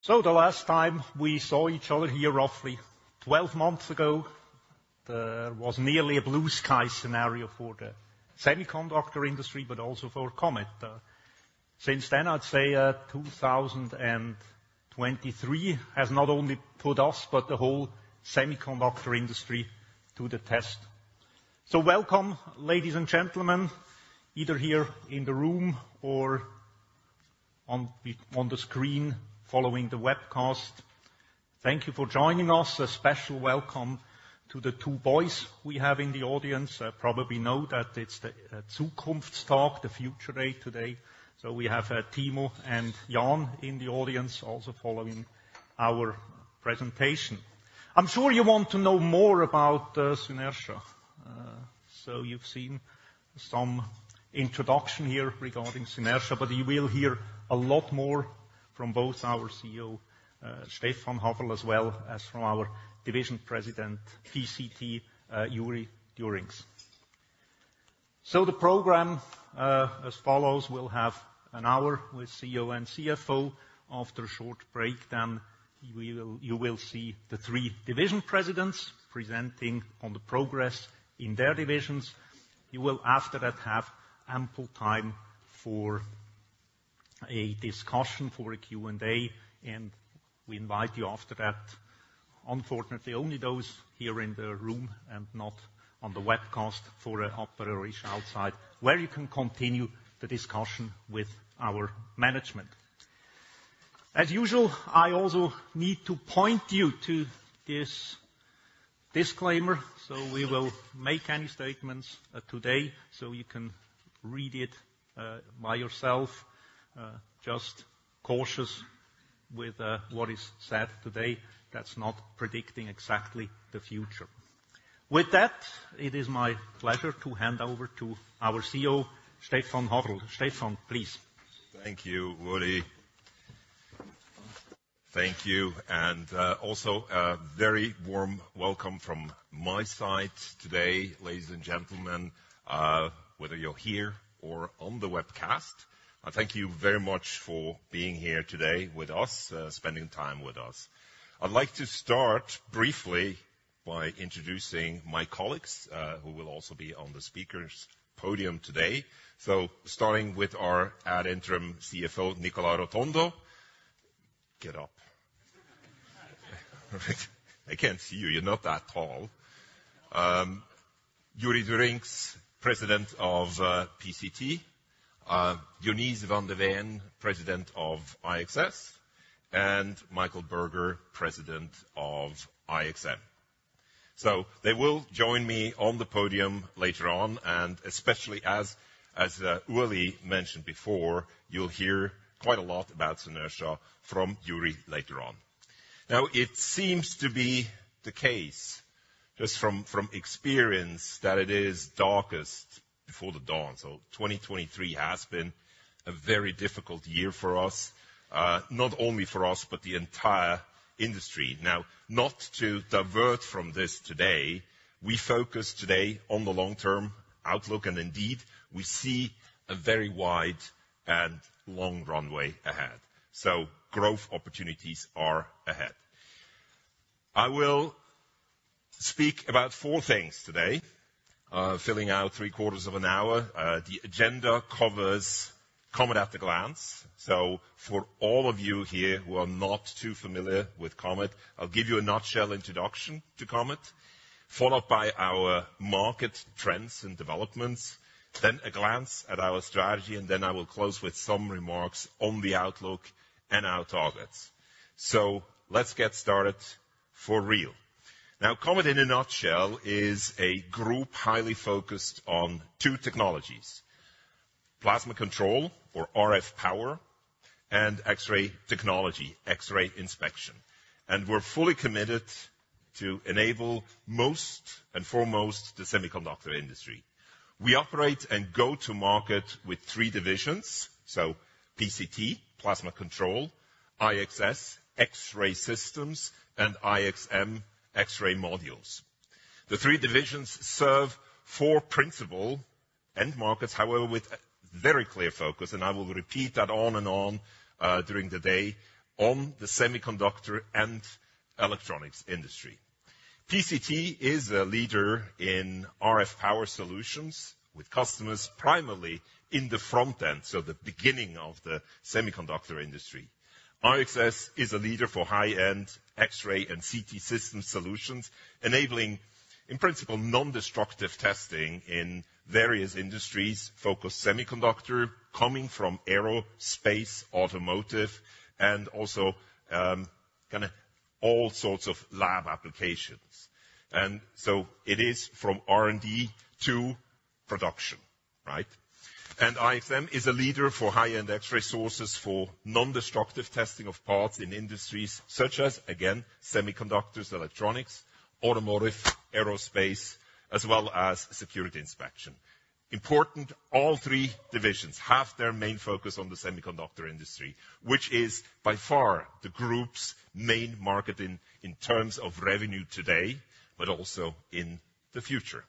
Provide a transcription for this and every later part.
So the last time we saw each other here roughly 12 months ago, there was nearly a blue sky scenario for the semiconductor industry, but also for Comet. Since then, I'd say, 2023 has not only put us, but the whole semiconductor industry to the test. So welcome, ladies and gentlemen, either here in the room or on the screen following the webcast. Thank you for joining us. A special welcome to the two boys we have in the audience. Probably know that it's the Zukunftstag, the future day today. So we have Timo and Jan in the audience, also following our presentation. I'm sure you want to know more about Synertia. So you've seen some introduction here regarding Synertia, but you will hear a lot more from both our CEO, Stephan Haferl, as well as from our division president, PCT, Joeri Durinckx. So the program as follows, we'll have an hour with CEO and CFO. After a short break, then we will—you will see the three division presidents presenting on the progress in their divisions. You will, after that, have ample time for a discussion, for a Q&A, and we invite you after that. Unfortunately, only those here in the room and not on the webcast for an operation outside, where you can continue the discussion with our management. As usual, I also need to point you to this disclaimer, so we will make any statements today, so you can read it by yourself. Just cautious with what is said today, that's not predicting exactly the future. With that, it is my pleasure to hand over to our CEO, Stephan Haferl. Stephan, please. Thank you, Woody. Thank you, and also a very warm welcome from my side today, ladies and gentlemen. Whether you're here or on the webcast, I thank you very much for being here today with us, spending time with us. I'd like to start briefly by introducing my colleagues, who will also be on the speakers' podium today. So starting with our interim CFO, Nicola Rotondo. Get up. I can't see you. You're not that tall. Joeri Durinckx, president of PCT. Dionys van de Ven, president of IXS, and Michael Berger, president of IXM. So they will join me on the podium later on, and especially as Woody mentioned before, you'll hear quite a lot about Synertia from Joeri later on. Now, it seems to be the case, just from experience, that it is darkest before the dawn. So 2023 has been a very difficult year for us, not only for us, but the entire industry. Now, not to divert from this today, we focus today on the long-term outlook, and indeed, we see a very wide and long runway ahead. So growth opportunities are ahead. I will speak about four things today, filling out 3/4 of an hour. The agenda covers Comet at a glance. So for all of you here who are not too familiar with Comet, I'll give you a nutshell introduction to Comet, followed by our market trends and developments, then a glance at our strategy, and then I will close with some remarks on the outlook and our targets. So let's get started for real. Now, Comet, in a nutshell, is a group highly focused on two technologies, plasma control or RF power and X-ray technology, X-ray inspection. We're fully committed to enable first and foremost, the semiconductor industry. We operate and go to market with three divisions, so PCT, Plasma Control, IXS, X-ray Systems, and IXM, X-ray Modules. The three divisions serve four principal end markets, however, with very clear focus, and I will repeat that on and on, during the day, on the semiconductor and electronics industry. PCT is a leader in RF power solutions with customers primarily in the front end, so the beginning of the semiconductor industry. IXS is a leader for high-end X-ray and CT system solutions, enabling, in principle, nondestructive testing in various industries, focused semiconductor, coming from aerospace, automotive, and also, kinda all sorts of lab applications. And so it is from R&D to production, right? IXM is a leader for high-end X-ray sources for nondestructive testing of parts in industries such as, again, semiconductors, electronics, automotive, aerospace, as well as security inspection. Important, all three divisions have their main focus on the semiconductor industry, which is by far the group's main market in terms of revenue today, but also in the future.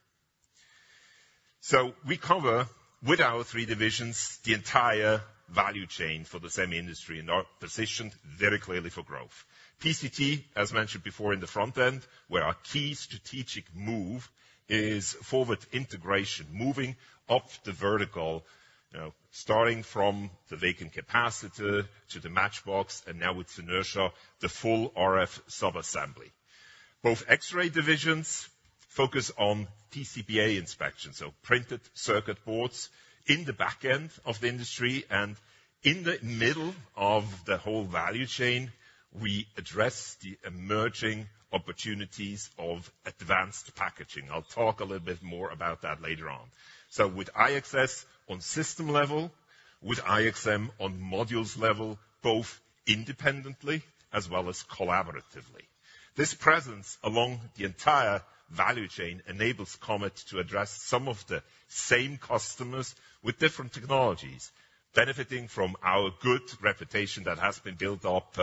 So we cover, with our three divisions, the entire value chain for the semi industry, and are positioned very clearly for growth. PCT, as mentioned before in the front end, where our key strategic move is forward integration, moving up the vertical, you know, starting from the vacuum capacitor to the matchbox, and now with Synertia, the full RF sub-assembly. Both X-ray divisions focus on PCBA inspection, so printed circuit boards in the back end of the industry and in the middle of the whole value chain, we address the emerging opportunities of advanced packaging. I'll talk a little bit more about that later on. So with IXS on system level, with IXM on modules level, both independently as well as collaboratively. This presence along the entire value chain enables Comet to address some of the same customers with different technologies, benefiting from our good reputation that has been built up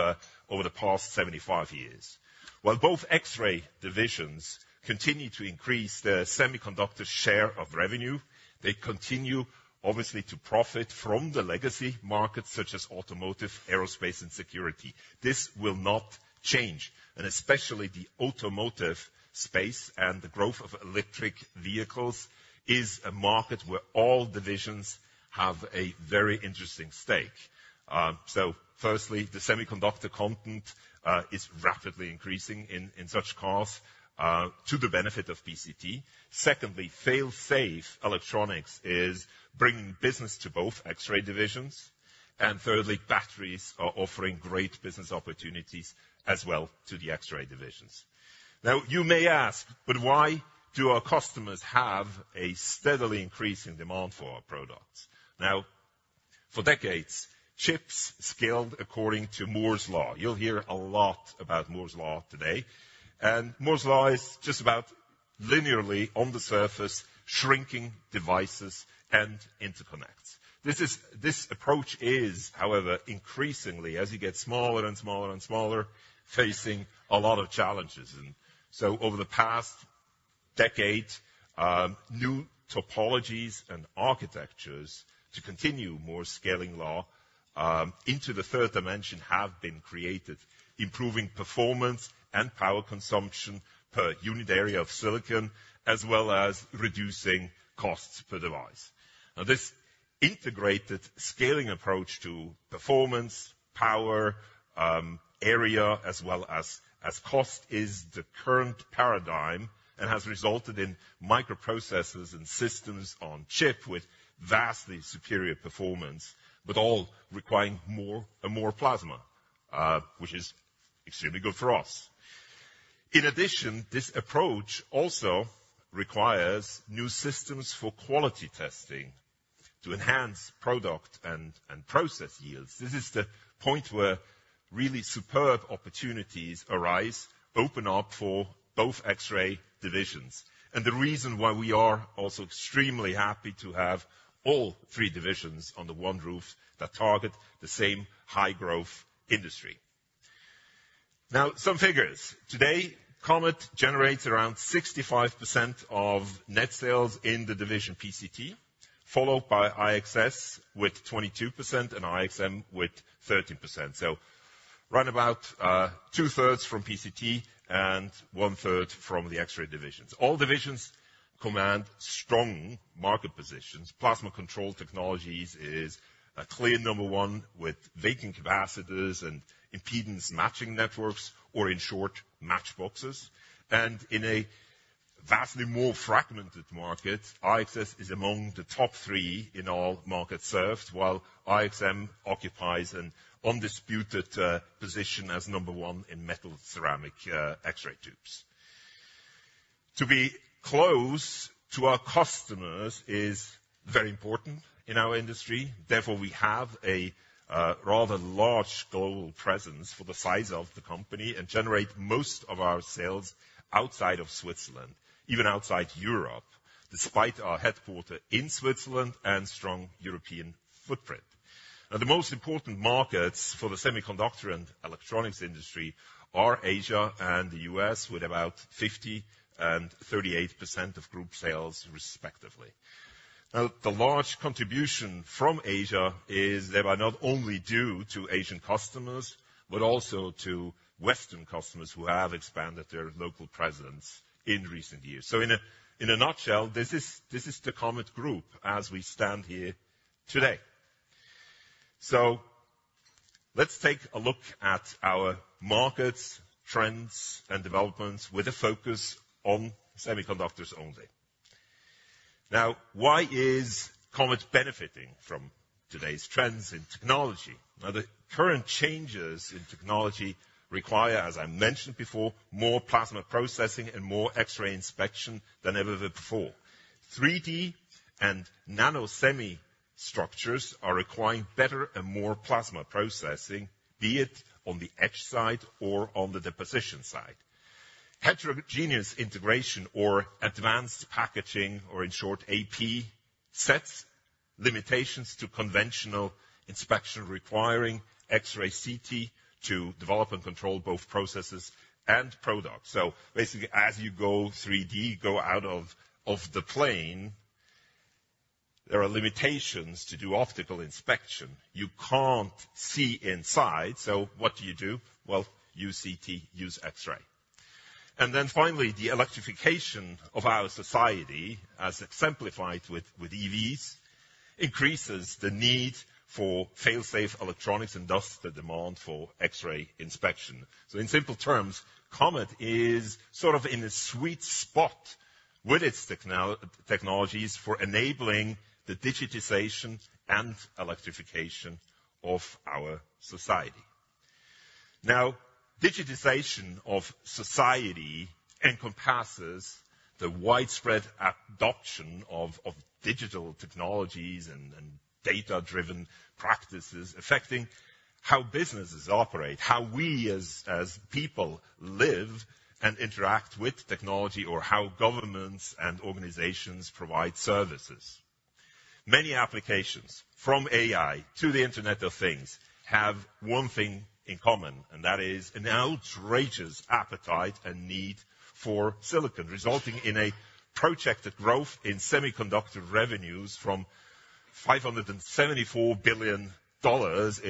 over the past 75 years. While both X-ray divisions continue to increase their semiconductor share of revenue, they continue obviously to profit from the legacy markets such as automotive, aerospace, and security. This will not change, and especially the automotive space and the growth of electric vehicles is a market where all divisions have a very interesting stake. So firstly, the semiconductor content is rapidly increasing in such cars to the benefit of PCT. Secondly, fail-safe electronics is bringing business to both X-ray divisions. And thirdly, batteries are offering great business opportunities as well to the X-ray divisions. Now, you may ask, but why do our customers have a steadily increasing demand for our products? Now, for decades, chips scaled according to Moore's Law. You'll hear a lot about Moore's Law today, and Moore's Law is just about linearly on the surface, shrinking devices and interconnects. This approach is, however, increasingly, as you get smaller and smaller and smaller, facing a lot of challenges. Over the past decade, new topologies and architectures to continue Moore's Law into the third dimension have been created, improving performance and power consumption per unit area of silicon, as well as reducing costs per device. Now, this integrated scaling approach to performance, power, area, as well as cost, is the current paradigm and has resulted in microprocessors and systems on chip with vastly superior performance, but all requiring more and more plasma, which is extremely good for us. In addition, this approach also requires new systems for quality testing to enhance product and process yields. This is the point where really superb opportunities arise, open up for both X-ray divisions, and the reason why we are also extremely happy to have all three divisions under one roof that target the same high-growth industry. Now, some figures. Today, Comet generates around 65% of net sales in the division PCT, followed by IXS with 22% and IXM with 13%. So right about 2/3 from PCT and 1/3 from the X-ray divisions. All divisions command strong market positions. Plasma control technologies is a clear number one with vacuum capacitors and impedance matching networks, or in short, matchboxes. And in a vastly more fragmented market, IXS is among the top three in all markets served, while IXM occupies an undisputed position as number one in metal ceramic X-ray tubes. To be close to our customers is very important in our industry. Therefore, we have a rather large global presence for the size of the company and generate most of our sales outside of Switzerland, even outside Europe, despite our headquarters in Switzerland and strong European footprint. Now, the most important markets for the semiconductor and electronics industry are Asia and the U.S., with about 50% and 38% of group sales, respectively. Now, the large contribution from Asia is thereby not only due to Asian customers, but also to Western customers who have expanded their local presence in recent years. So in a, in a nutshell, this is, this is the Comet Group as we stand here today. So let's take a look at our markets, trends, and developments with a focus on semiconductors only. Now, why is Comet benefiting from today's trends in technology? Now, the current changes in technology require, as I mentioned before, more plasma processing and more X-ray inspection than ever before. 3D and nano semi structures are requiring better and more plasma processing, be it on the etch side or on the deposition side. Heterogeneous integration or advanced packaging, or in short, AP, sets limitations to conventional inspection requiring X-ray CT to develop and control both processes and products. So basically, as you go 3D, go out of the plane, there are limitations to do optical inspection. You can't see inside, so what do you do? Well, use CT, use X-ray. And then finally, the electrification of our society, as exemplified with EVs, increases the need for fail-safe electronics and thus the demand for X-ray inspection. So in simple terms, Comet is sort of in a sweet spot with its technologies for enabling the digitization and electrification of our society. Now, digitization of society encompasses the widespread adoption of digital technologies and data-driven practices affecting how businesses operate, how we as people live and interact with technology, or how governments and organizations provide services. Many applications, from AI to the Internet of Things, have one thing in common, and that is an outrageous appetite and need for silicon, resulting in a projected growth in semiconductor revenues from $574 billion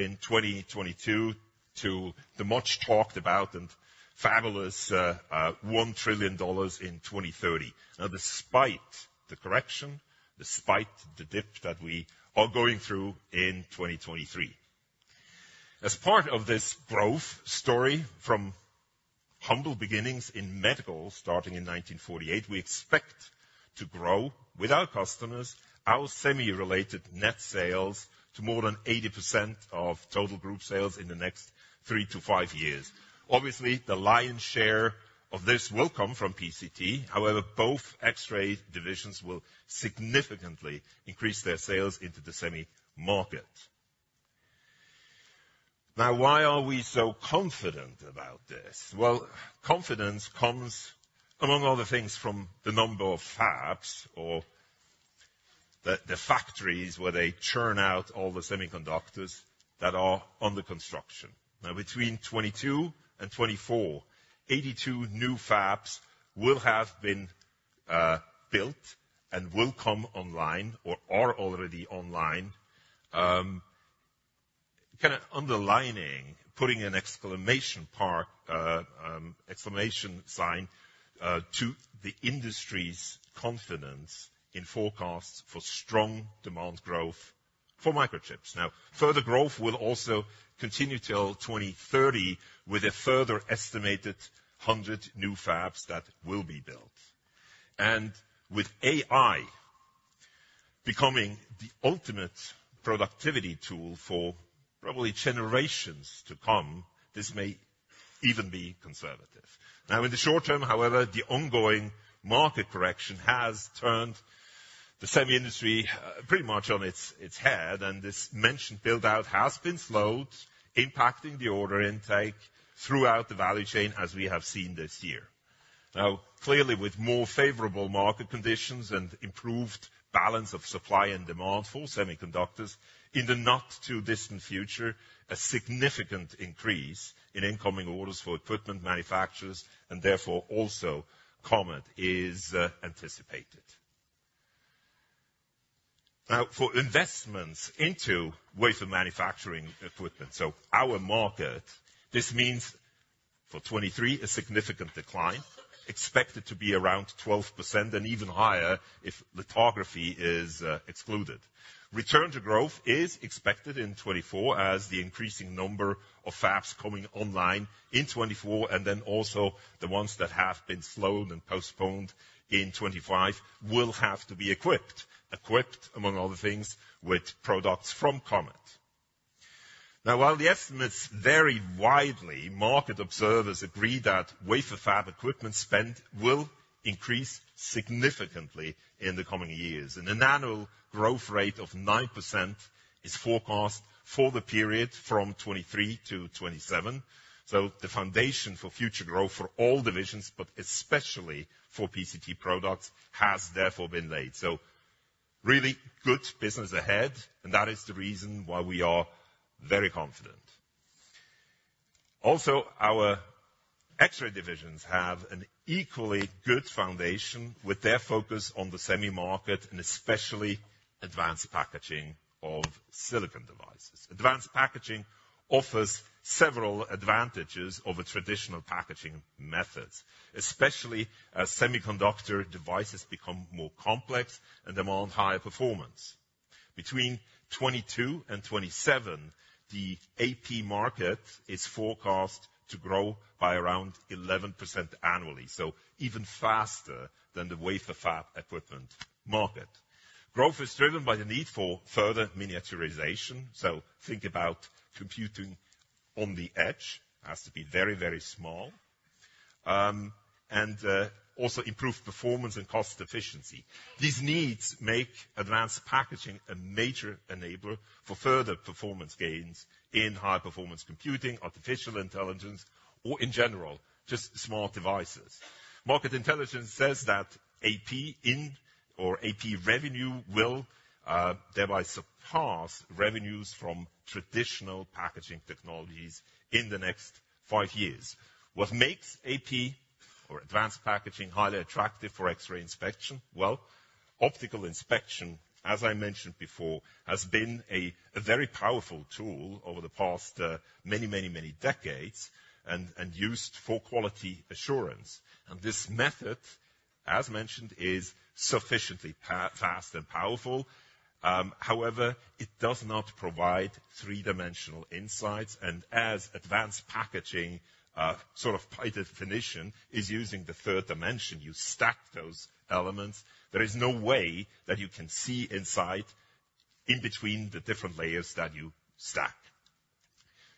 in 2022 to the much talked about and fabulous $1 trillion in 2030. Now, despite the correction, despite the dip that we are going through in 2023. As part of this growth story, from humble beginnings in medical, starting in 1948, we expect to grow with our customers, our semi-related net sales to more than 80% of total group sales in the next three-five years. Obviously, the lion's share of this will come from PCT. However, both X-ray divisions will significantly increase their sales into the semi market. Now, why are we so confident about this? Well, confidence comes, among other things, from the number of fabs or the factories where they churn out all the semiconductors that are under construction. Now, between 2022 and 2024, 82 new fabs will have been built and will come online or are already online. Kind of underlining, putting an exclamation point to the industry's confidence in forecasts for strong demand growth for microchips. Now, further growth will also continue till 2030, with a further estimated 100 new fabs that will be built. And with AI becoming the ultimate productivity tool for probably generations to come, this may even be conservative. Now, in the short term, however, the ongoing market correction has turned the semi industry pretty much on its head, and this mentioned build-out has been slowed, impacting the order intake throughout the value chain, as we have seen this year. Now, clearly, with more favorable market conditions and improved balance of supply and demand for semiconductors in the not-too-distant future, a significant increase in incoming orders for equipment manufacturers and therefore also Comet is anticipated. Now for investments into wafer manufacturing equipment, so our market, this means for 2023, a significant decline expected to be around 12% and even higher if lithography is excluded. Return to growth is expected in 2024, as the increasing number of fabs coming online in 2024, and then also the ones that have been slowed and postponed in 2025 will have to be equipped. Equipped, among other things, with products from Comet. Now, while the estimates vary widely, market observers agree that wafer fab equipment spend will increase significantly in the coming years, and another growth rate of 9% is forecast for the period from 2023 to 2027. So the foundation for future growth for all divisions, but especially for PCT products, has therefore been laid. So really good business ahead, and that is the reason why we are very confident. Also, our X-ray divisions have an equally good foundation with their focus on the semi market and especially advanced packaging of silicon devices. Advanced packaging offers several advantages over traditional packaging methods, especially as semiconductor devices become more complex and demand higher performance. Between 2022 to 2027, the AP market is forecast to grow by around 11% annually, so even faster than the wafer fab equipment market. Growth is driven by the need for further miniaturization, so think about computing on the edge. Has to be very, very small... and also improve performance and cost efficiency. These needs make advanced packaging a major enabler for further performance gains in high performance computing, artificial intelligence, or in general, just smart devices. Market intelligence says that AP in or AP revenue will thereby surpass revenues from traditional packaging technologies in the next five years. What makes AP or advanced packaging highly attractive for X-ray inspection? Well, optical inspection, as I mentioned before, has been a very powerful tool over the past many, many, many decades, and used for quality assurance. This method, as mentioned, is sufficiently fast and powerful. However, it does not provide three-dimensional insights, and as advanced packaging, sort of by definition, is using the third dimension, you stack those elements, there is no way that you can see inside, in between the different layers that you stack.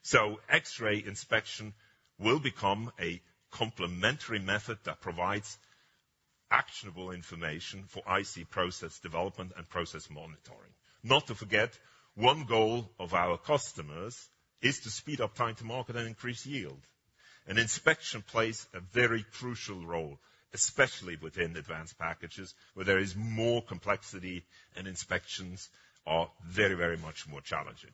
So X-ray inspection will become a complementary method that provides actionable information for IC process development and process monitoring. Not to forget, one goal of our customers is to speed up time to market and increase yield. And inspection plays a very crucial role, especially within advanced packages, where there is more complexity and inspections are very, very much more challenging.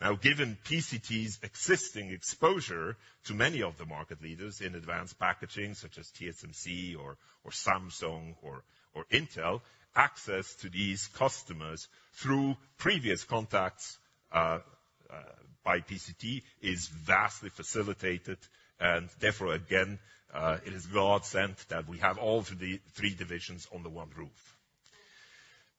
Now, given PCT's existing exposure to many of the market leaders in advanced packaging, such as TSMC or Samsung or Intel, access to these customers through previous contacts by PCT, is vastly facilitated. And therefore, again, it is godsend that we have all the three divisions under one roof.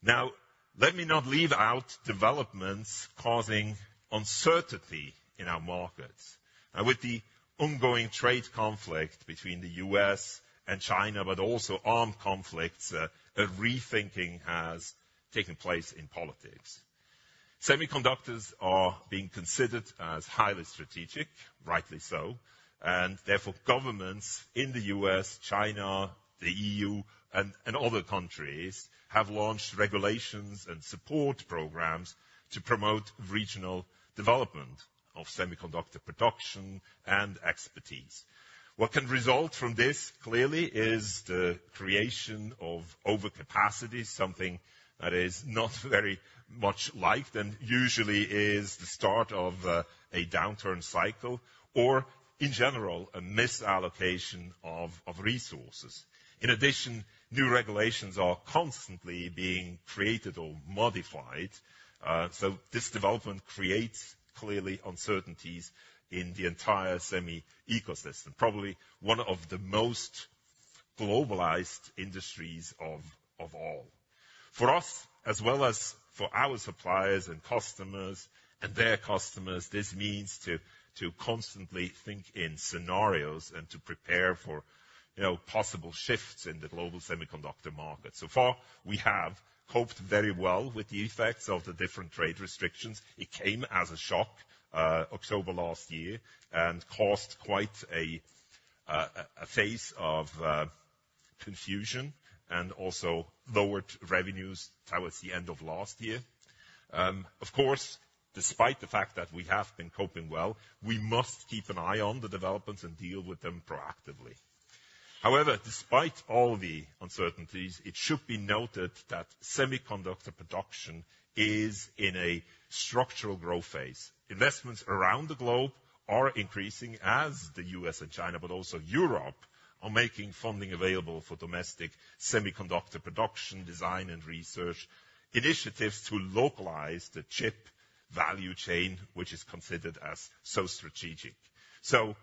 Now, let me not leave out developments causing uncertainty in our markets. And with the ongoing trade conflict between the U.S. and China, but also armed conflicts, a rethinking has taken place in politics. Semiconductors are being considered as highly strategic, rightly so, and therefore, governments in the U.S., China, the E.U., and, and other countries have launched regulations and support programs to promote regional development of semiconductor production and expertise. What can result from this, clearly, is the creation of overcapacity, something that is not very much liked and usually is the start of, a downturn cycle, or in general, a misallocation of, of resources. In addition, new regulations are constantly being created or modified, so this development creates, clearly, uncertainties in the entire semi ecosystem, probably one of the most globalized industries of all. For us, as well as for our suppliers and customers and their customers, this means to constantly think in scenarios and to prepare for, you know, possible shifts in the global semiconductor market. So far, we have coped very well with the effects of the different trade restrictions. It came as a shock, October last year, and caused quite a phase of confusion and also lowered revenues towards the end of last year. Of course, despite the fact that we have been coping well, we must keep an eye on the developments and deal with them proactively. However, despite all the uncertainties, it should be noted that semiconductor production is in a structural growth phase. Investments around the globe are increasing as the U.S. and China, but also Europe, are making funding available for domestic semiconductor production, design, and research initiatives to localize the chip value chain, which is considered as so strategic. So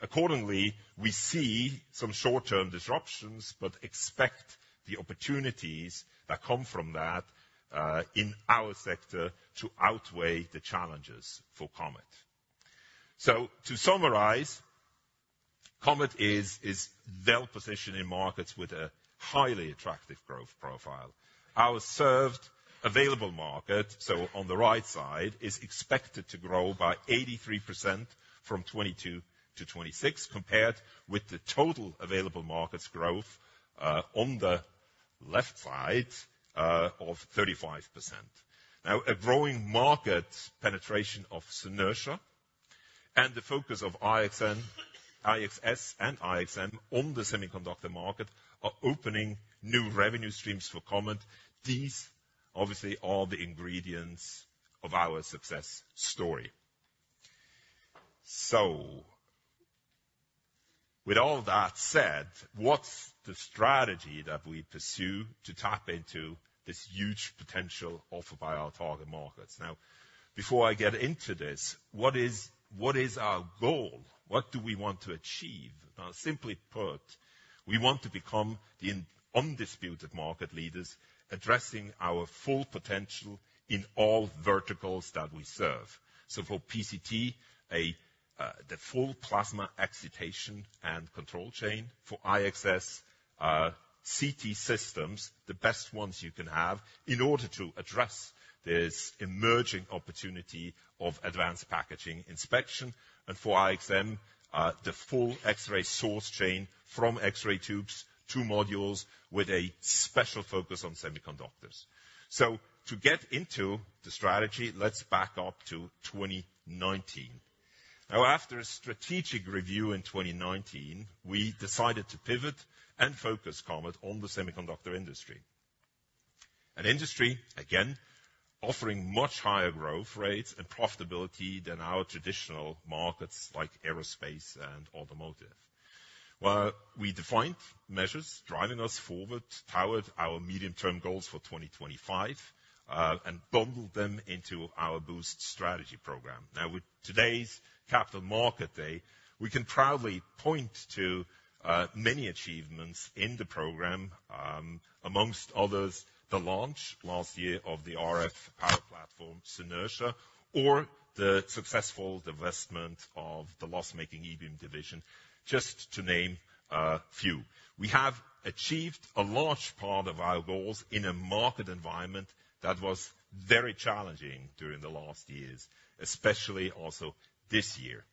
accordingly, we see some short-term disruptions, but expect the opportunities that come from that, in our sector to outweigh the challenges for Comet. So to summarize, Comet is, is well-positioned in markets with a highly attractive growth profile. Our served available market, so on the right side, is expected to grow by 83% from 2022 to 2026, compared with the total available markets growth, on the left side, of 35%. Now, a growing market penetration of Synertia and the focus of IXM, IXS and IXM on the semiconductor market are opening new revenue streams for Comet. These, obviously, are the ingredients of our success story. So with all that said, what's the strategy that we pursue to tap into this huge potential offered by our target markets? Now, before I get into this, what is, what is our goal? What do we want to achieve? Simply put, we want to become the undisputed market leaders, addressing our full potential in all verticals that we serve. So for PCT, the full plasma excitation and control chain. For IXS, CT systems, the best ones you can have, in order to address this emerging opportunity of advanced packaging inspection. For IXM, the full X-ray source chain, from X-ray tubes to modules with a special focus on semiconductors. To get into the strategy, let's back up to 2019. Now, after a strategic review in 2019, we decided to pivot and focus, Comet, on the semiconductor industry. An industry, again, offering much higher growth rates and profitability than our traditional markets, like aerospace and automotive. Well, we defined measures driving us forward toward our medium-term goals for 2025, and bundled them into our Boost strategy program. Now, with today's Capital Markets Day, we can proudly point to, many achievements in the program, amongst others, the launch last year of the RF power platform, Synertia, or the successful divestment of the loss-making ebeam division, just to name a few. We have achieved a large part of our goals in a market environment that was very challenging during the last years, especially also this year.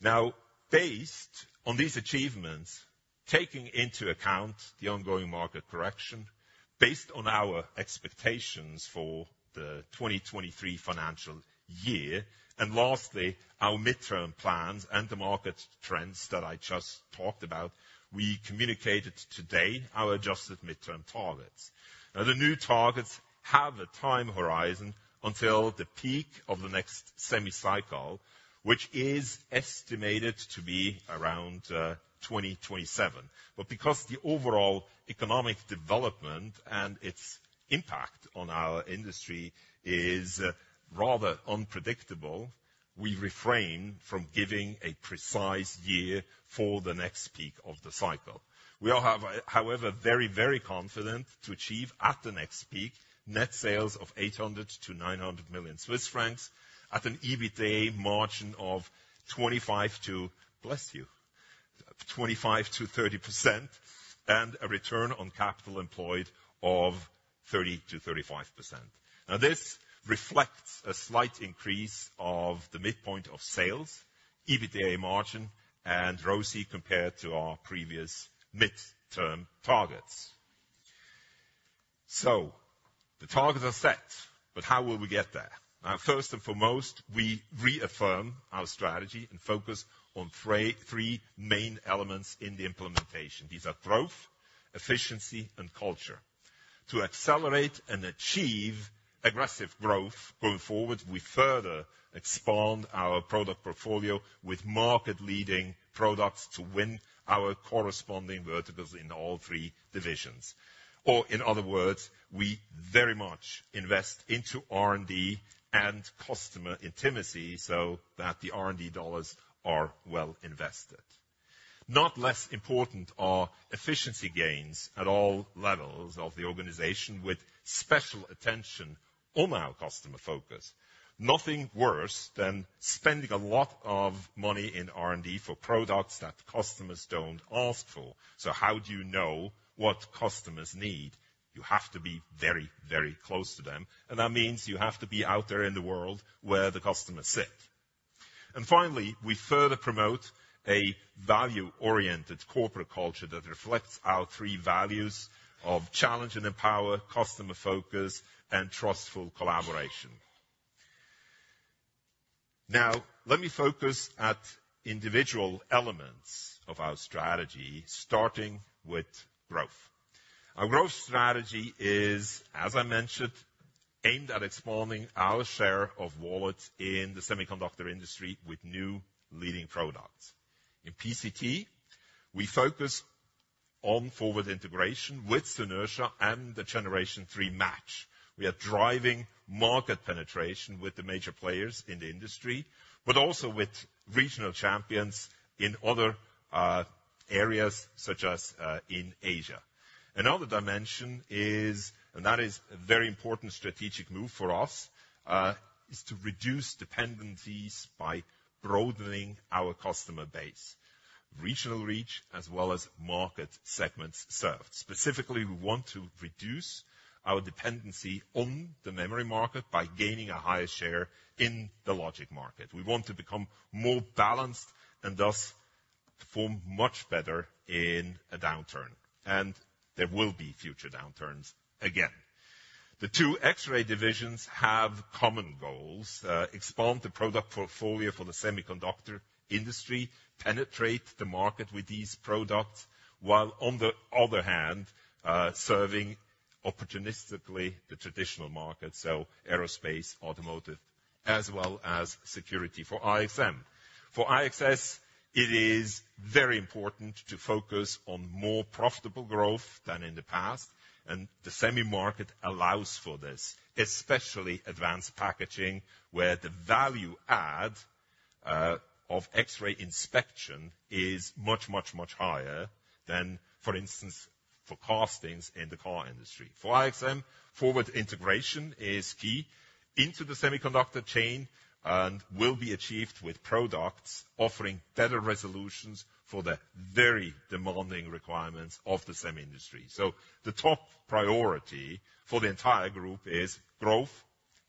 Now, based on these achievements, taking into account the ongoing market correction, based on our expectations for the 2023 financial year, and lastly, our midterm plans and the market trends that I just talked about, we communicated today our adjusted midterm targets. Now, the new targets have a time horizon until the peak of the next semi cycle, which is estimated to be around 2027. But because the overall economic development and its impact on our industry is rather unpredictable, we refrain from giving a precise year for the next peak of the cycle. We are, however, very, very confident to achieve, at the next peak, net sales of 800 million-900 million Swiss francs, at an EBITDA margin of 25%-30%, and a return on capital employed of 30%-35%. Now, this reflects a slight increase of the midpoint of sales, EBITDA margin, and ROCE compared to our previous midterm targets. The targets are set, but how will we get there? Now, first and foremost, we reaffirm our strategy and focus on three main elements in the implementation. These are growth, efficiency, and culture. To accelerate and achieve aggressive growth going forward, we further expand our product portfolio with market-leading products to win our corresponding verticals in all three divisions. Or in other words, we very much invest into R&D and customer intimacy so that the R&D dollars are well invested. Not less important are efficiency gains at all levels of the organization, with special attention on our customer focus. Nothing worse than spending a lot of money in R&D for products that customers don't ask for. So how do you know what customers need? You have to be very, very close to them, and that means you have to be out there in the world where the customers sit. And finally, we further promote a value-oriented corporate culture that reflects our three values of challenge and empower, customer focus, and trustful collaboration. Now, let me focus at individual elements of our strategy, starting with growth. Our growth strategy is, as I mentioned, aimed at expanding our share of wallets in the semiconductor industry with new leading products. In PCT, we focus on forward integration with Synertia and the Generation 3 Match. We are driving market penetration with the major players in the industry, but also with regional champions in other, areas, such as, in Asia. Another dimension is, and that is a very important strategic move for us, is to reduce dependencies by broadening our customer base, regional reach, as well as market segments served. Specifically, we want to reduce our dependency on the memory market by gaining a higher share in the logic market. We want to become more balanced and thus perform much better in a downturn, and there will be future downturns again. The two X-ray divisions have common goals, expand the product portfolio for the semiconductor industry, penetrate the market with these products, while on the other hand, serving opportunistically the traditional market, so aerospace, automotive, as well as security for IXM. For IXS, it is very important to focus on more profitable growth than in the past, and the semi market allows for this, especially advanced packaging, where the value add of X-ray inspection is much, much, much higher than, for instance, for castings in the car industry. For IXM, forward integration is key into the semiconductor chain and will be achieved with products offering better resolutions for the very demanding requirements of the semi industry. So the top priority for the entire group is growth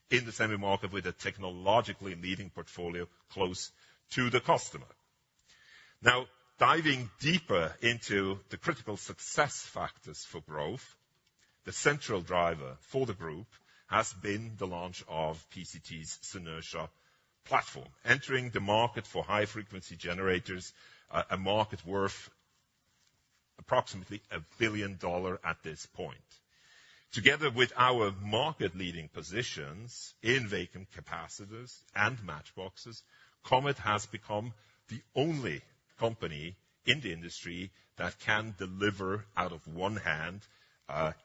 in the semi market with a technologically leading portfolio close to the customer. Now, diving deeper into the critical success factors for growth, the central driver for the group has been the launch of PCT's Synertia platform, entering the market for high-frequency generators, a market worth approximately $1 billion at this point. Together with our market-leading positions in vacuum capacitors and matchboxes, Comet has become the only company in the industry that can deliver out of one hand,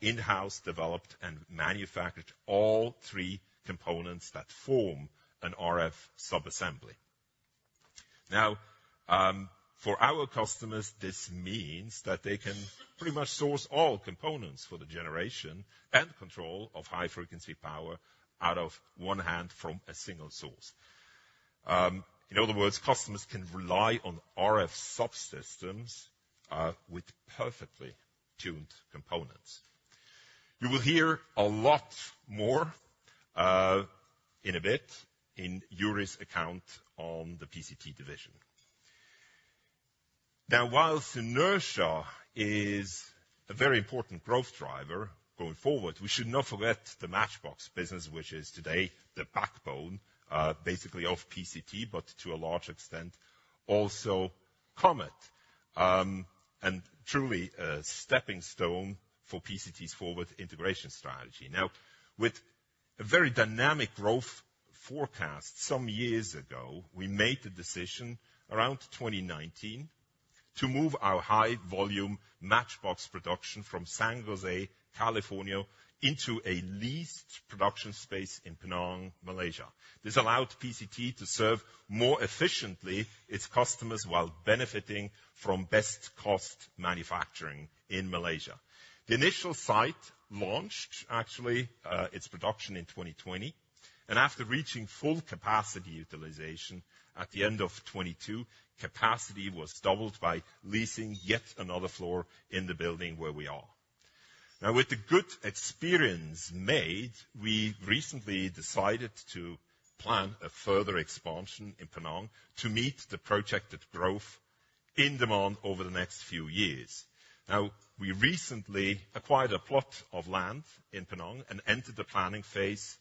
in-house developed and manufactured all three components that form an RF sub-assembly. Now, for our customers, this means that they can pretty much source all components for the generation and control of high-frequency power out of one hand from a single source. In other words, customers can rely on RF subsystems, with perfectly tuned components. You will hear a lot more, in a bit in Joeri's account on the PCT division. Now, while Synertia is a very important growth driver going forward, we should not forget the matchbox business, which is today the backbone, basically of PCT, but to a large extent, also Comet. And truly a stepping stone for PCT's forward integration strategy. Now, with a very dynamic growth forecast, some years ago, we made the decision around 2019 to move our high volume matchbox production from San Jose, California, into a leased production space in Penang, Malaysia. This allowed PCT to serve more efficiently its customers while benefiting from best cost manufacturing in Malaysia. The initial site launched actually, its production in 2020, and after reaching full capacity utilization at the end of 2022, capacity was doubled by leasing yet another floor in the building where we are. Now, with the good experience made, we recently decided to plan a further expansion in Penang to meet the projected growth in demand over the next few years. Now, we recently acquired a plot of land in Penang and entered the planning phase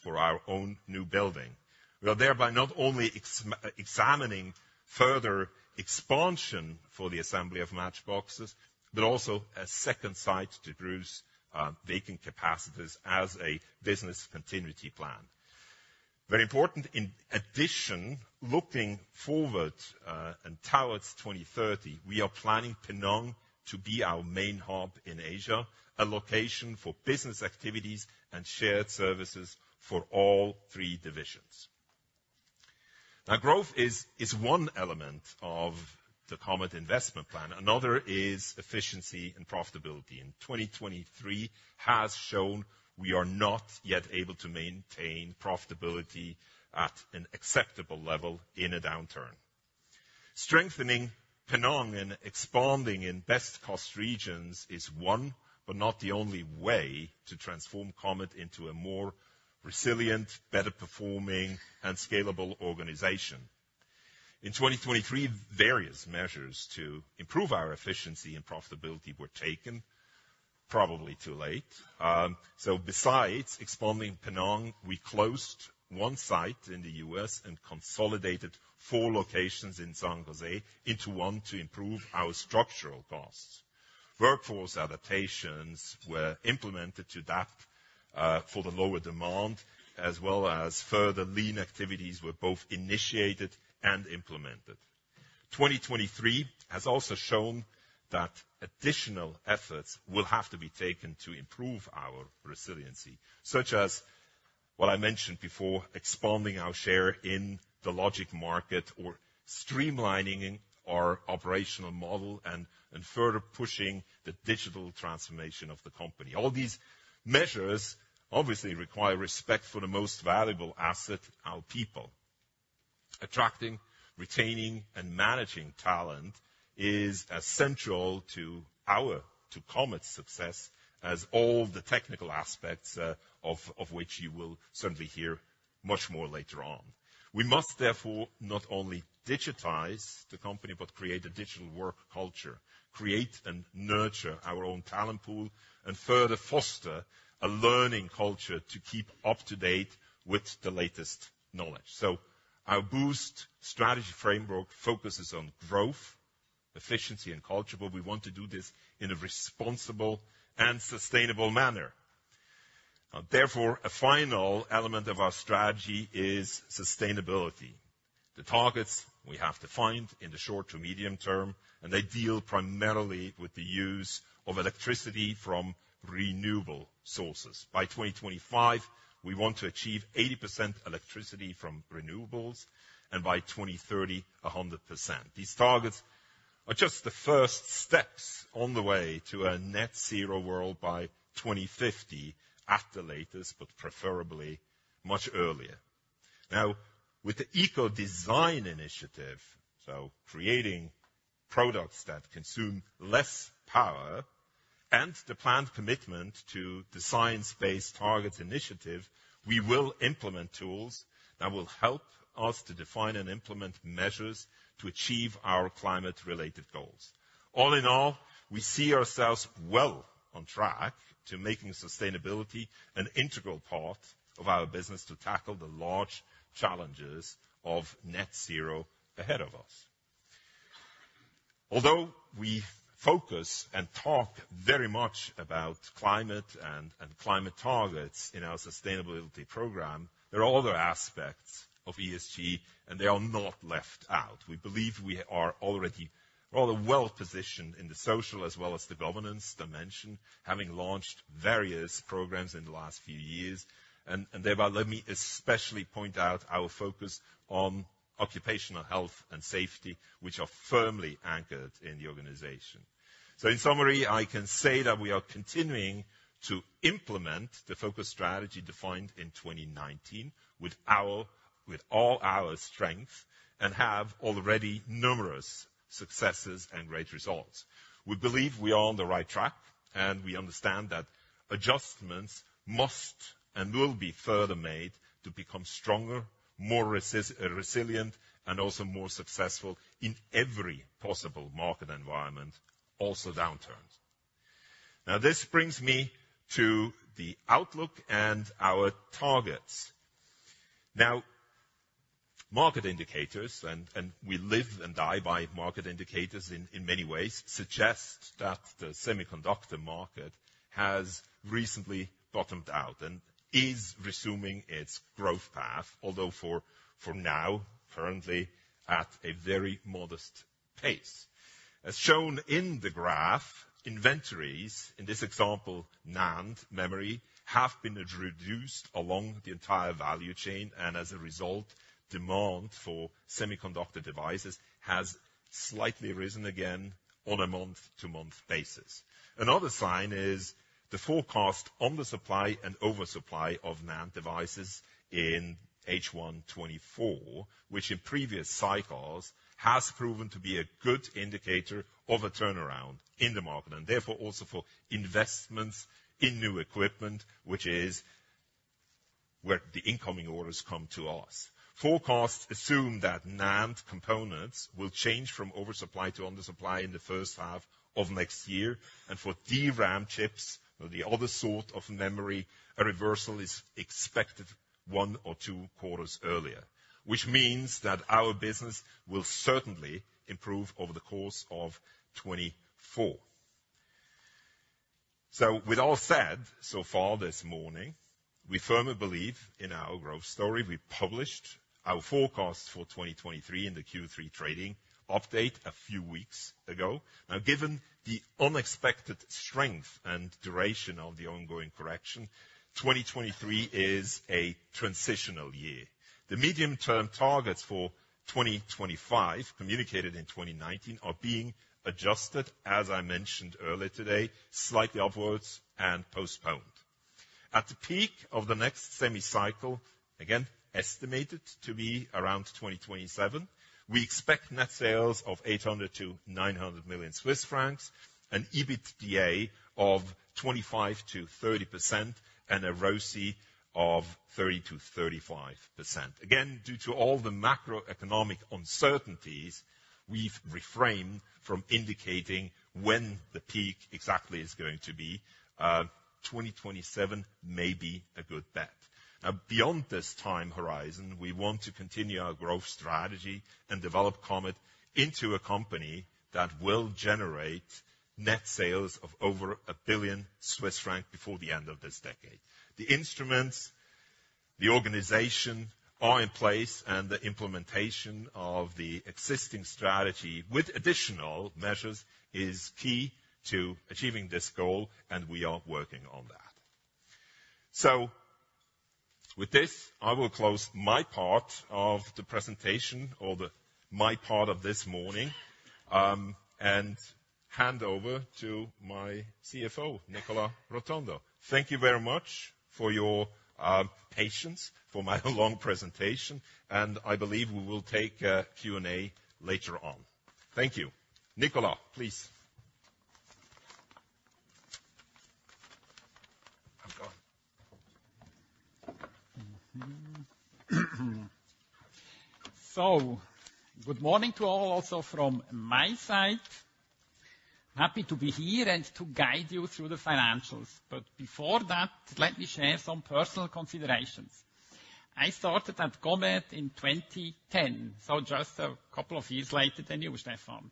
for our own new building. We are thereby not only examining further expansion for the assembly of matchboxes, but also a second site to produce vacuum capacitors as a business continuity plan. Very important, in addition, looking forward, and towards 2030, we are planning Penang to be our main hub in Asia, a location for business activities and shared services for all three divisions. Now, growth is one element of the Comet investment plan. Another is efficiency and profitability. In 2023 has shown we are not yet able to maintain profitability at an acceptable level in a downturn. Strengthening Penang and expanding in best-cost regions is one, but not the only way to transform Comet into a more resilient, better performing, and scalable organization. In 2023, various measures to improve our efficiency and profitability were taken, probably too late. So besides expanding Penang, we closed one site in the U.S. and consolidated four locations in San Jose into one to improve our structural costs. Workforce adaptations were implemented to adapt for the lower demand, as well as further lean activities were both initiated and implemented. 2023 has also shown that additional efforts will have to be taken to improve our resiliency, such as what I mentioned before, expanding our share in the logic market or streamlining our operational model and further pushing the digital transformation of the company. All these measures obviously require respect for the most valuable asset, our people. Attracting, retaining, and managing talent is as central to Comet's success as all the technical aspects of which you will certainly hear much more later on. We must therefore not only digitize the company, but create a digital work culture, create and nurture our own talent pool, and further foster a learning culture to keep up to date with the latest knowledge. So our boost strategy framework focuses on growth, efficiency, and culture, but we want to do this in a responsible and sustainable manner. Therefore, a final element of our strategy is sustainability. The targets we have defined in the short to medium term, and they deal primarily with the use of electricity from renewable sources. By 2025, we want to achieve 80% electricity from renewables, and by 2030, 100%. These targets are just the first steps on the way to a net-zero world by 2050 at the latest, but preferably much earlier. Now, with the eco design initiative, so creating products that consume less power, and the planned commitment to the Science Based Targets initiative, we will implement tools that will help us to define and implement measures to achieve our climate-related goals. All in all, we see ourselves well on track to making sustainability an integral part of our business to tackle the large challenges of net-zero ahead of us. Although we focus and talk very much about climate and, and climate targets in our sustainability program, there are other aspects of ESG, and they are not left out. We believe we are already rather well-positioned in the social as well as the governance dimension, having launched various programs in the last few years. And thereby, let me especially point out our focus on occupational health and safety, which are firmly anchored in the organization. So in summary, I can say that we are continuing to implement the focus strategy defined in 2019 with all our strength, and have already numerous successes and great results. We believe we are on the right track, and we understand that adjustments must and will be further made to become stronger, more resilient, and also more successful in every possible market environment, also downturns. Now, this brings me to the outlook and our targets. Now, market indicators and we live and die by market indicators in many ways suggest that the semiconductor market has recently bottomed out and is resuming its growth path, although for now, currently at a very modest pace. As shown in the graph, inventories, in this example, NAND memory, have been reduced along the entire value chain, and as a result, demand for semiconductor devices has slightly risen again on a month-to-month basis. Another sign is the forecast on the supply and oversupply of NAND devices in H1 2024, which in previous cycles has proven to be a good indicator of a turnaround in the market, and therefore, also for investments in new equipment, which is where the incoming orders come to us. Forecasts assume that NAND components will change from oversupply to undersupply in the first half of next year, and for DRAM chips, or the other sort of memory, a reversal is expected one or two quarters earlier, which means that our business will certainly improve over the course of 2024. So with all said so far this morning, we firmly believe in our growth story. We published our forecast for 2023 in the Q3 trading update a few weeks ago. Now, given the unexpected strength and duration of the ongoing correction, 2023 is a transitional year. The medium-term targets for 2025, communicated in 2019, are being adjusted, as I mentioned earlier today, slightly upwards and postponed. At the peak of the next semi cycle, again, estimated to be around 2027, we expect net sales of 800 million-900 million Swiss francs, an EBITDA of 25%-30%, and a ROCE of 30%-35%. Again, due to all the macroeconomic uncertainties, we've refrained from indicating when the peak exactly is going to be. 2027 may be a good bet. Now, beyond this time horizon, we want to continue our growth strategy and develop Comet into a company that will generate net sales of over 1 billion Swiss francs before the end of this decade. The instruments, the organization, are in place, and the implementation of the existing strategy, with additional measures, is key to achieving this goal, and we are working on that. So with this, I will close my part of the presentation or the, my part of this morning, and hand over to my CFO, Nicola Rotondo. Thank you very much for your patience for my long presentation, and I believe we will take a Q&A later on. Thank you. Nicola, please. I'm going. So good morning to all, also from my side. Happy to be here and to guide you through the financials, but before that, let me share some personal considerations. I started at Comet in 2010, so just a couple of years later than you, Stephan.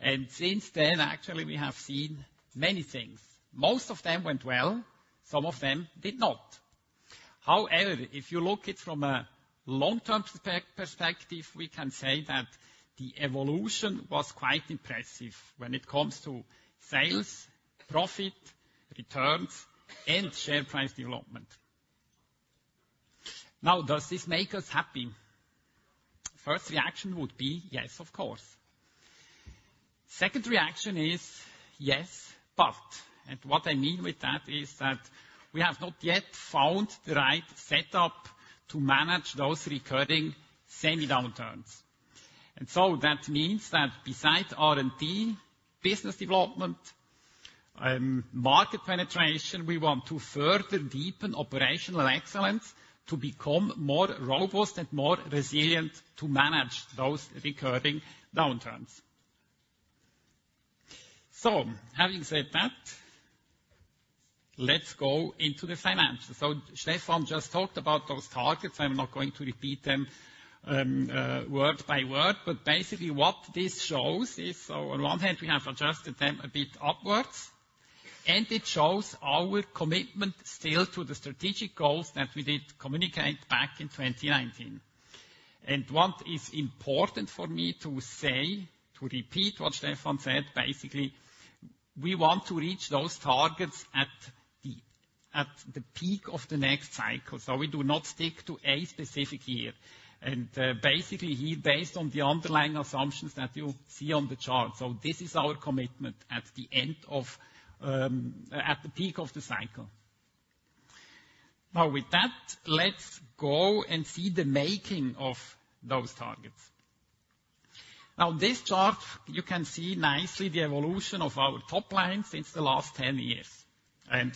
And since then, actually, we have seen many things. Most of them went well, some of them did not. However, if you look at it from a long-term perspective, we can say that the evolution was quite impressive when it comes to sales, profit, returns, and share price development. Now, does this make us happy? First reaction would be, yes, of course. Second reaction is, yes, but, and what I mean with that is that we have not yet found the right setup to manage those recurring semi downturns. That means that besides R&D, business development, market penetration, we want to further deepen operational excellence to become more robust and more resilient to manage those recurring downturns. Having said that, let's go into the finances. Stephan just talked about those targets. I'm not going to repeat them word by word, but basically what this shows is, on one hand, we have adjusted them a bit upwards, and it shows our commitment still to the strategic goals that we did communicate back in 2019. What is important for me to say, to repeat what Stephan said, basically, we want to reach those targets at the peak of the next cycle, so we do not stick to a specific year. Basically, he based on the underlying assumptions that you see on the chart. So this is our commitment at the end of, at the peak of the cycle. Now, with that, let's go and see the making of those targets. Now, this chart, you can see nicely the evolution of our top line since the last 10 years. And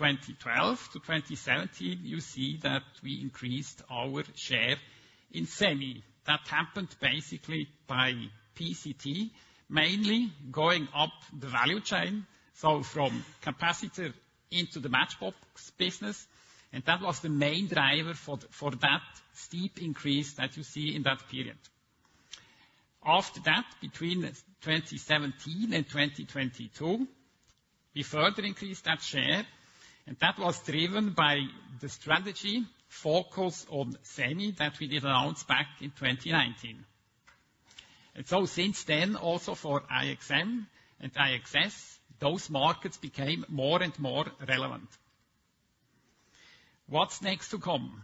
from 2012 to 2017, you see that we increased our share in semi. That happened basically by PCT, mainly going up the value chain, so from capacitor into the matchbox business, and that was the main driver for, for that steep increase that you see in that period. After that, between 2017 and 2022, we further increased that share, and that was driven by the strategy, focus on semi, that we did announce back in 2019. And so since then, also for IXM and IXS, those markets became more and more relevant. What's next to come?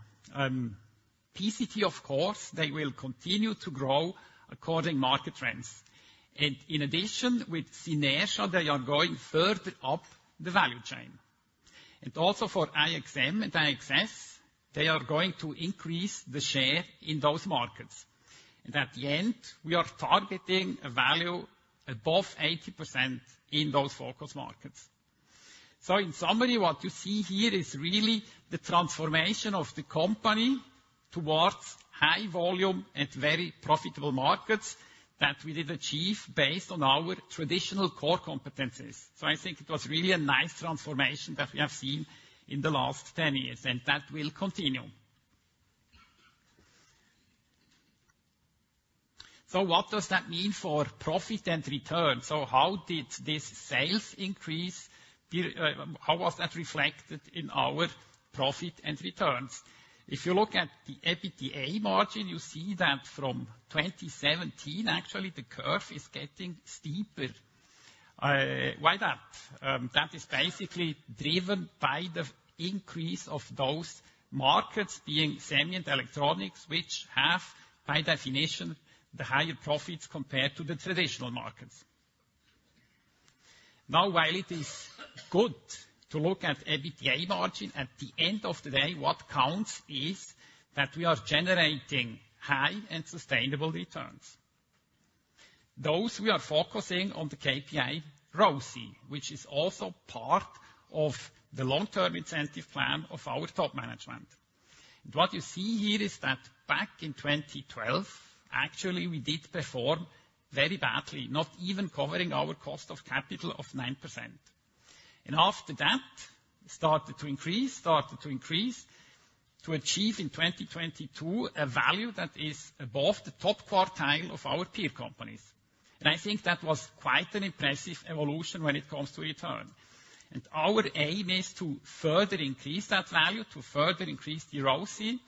PCT, of course, they will continue to grow according to market trends, and in addition, with Synertia, they are going further up the value chain. Also for IXM and IXS, they are going to increase the share in those markets. At the end, we are targeting a value above 80% in those focus markets. In summary, what you see here is really the transformation of the company towards high volume and very profitable markets that we did achieve based on our traditional core competencies. I think it was really a nice transformation that we have seen in the last 10 years, and that will continue. What does that mean for profit and return? How did this sales increase, how was that reflected in our profit and returns? If you look at the EBITDA margin, you see that from 2017, actually, the curve is getting steeper. Why that? That is basically driven by the increase of those markets being semi and electronics, which have, by definition, the higher profits compared to the traditional markets. Now, while it is good to look at EBITDA margin, at the end of the day, what counts is that we are generating high and sustainable returns. Those we are focusing on the KPI ROCE, which is also part of the long-term incentive plan of our top management. And what you see here is that back in 2012, actually, we did perform very badly, not even covering our cost of capital of 9%. And after that, started to increase, started to increase, to achieve in 2022, a value that is above the top quartile of our peer companies. I think that was quite an impressive evolution when it comes to return. Our aim is to further increase that value, to further increase the ROCE,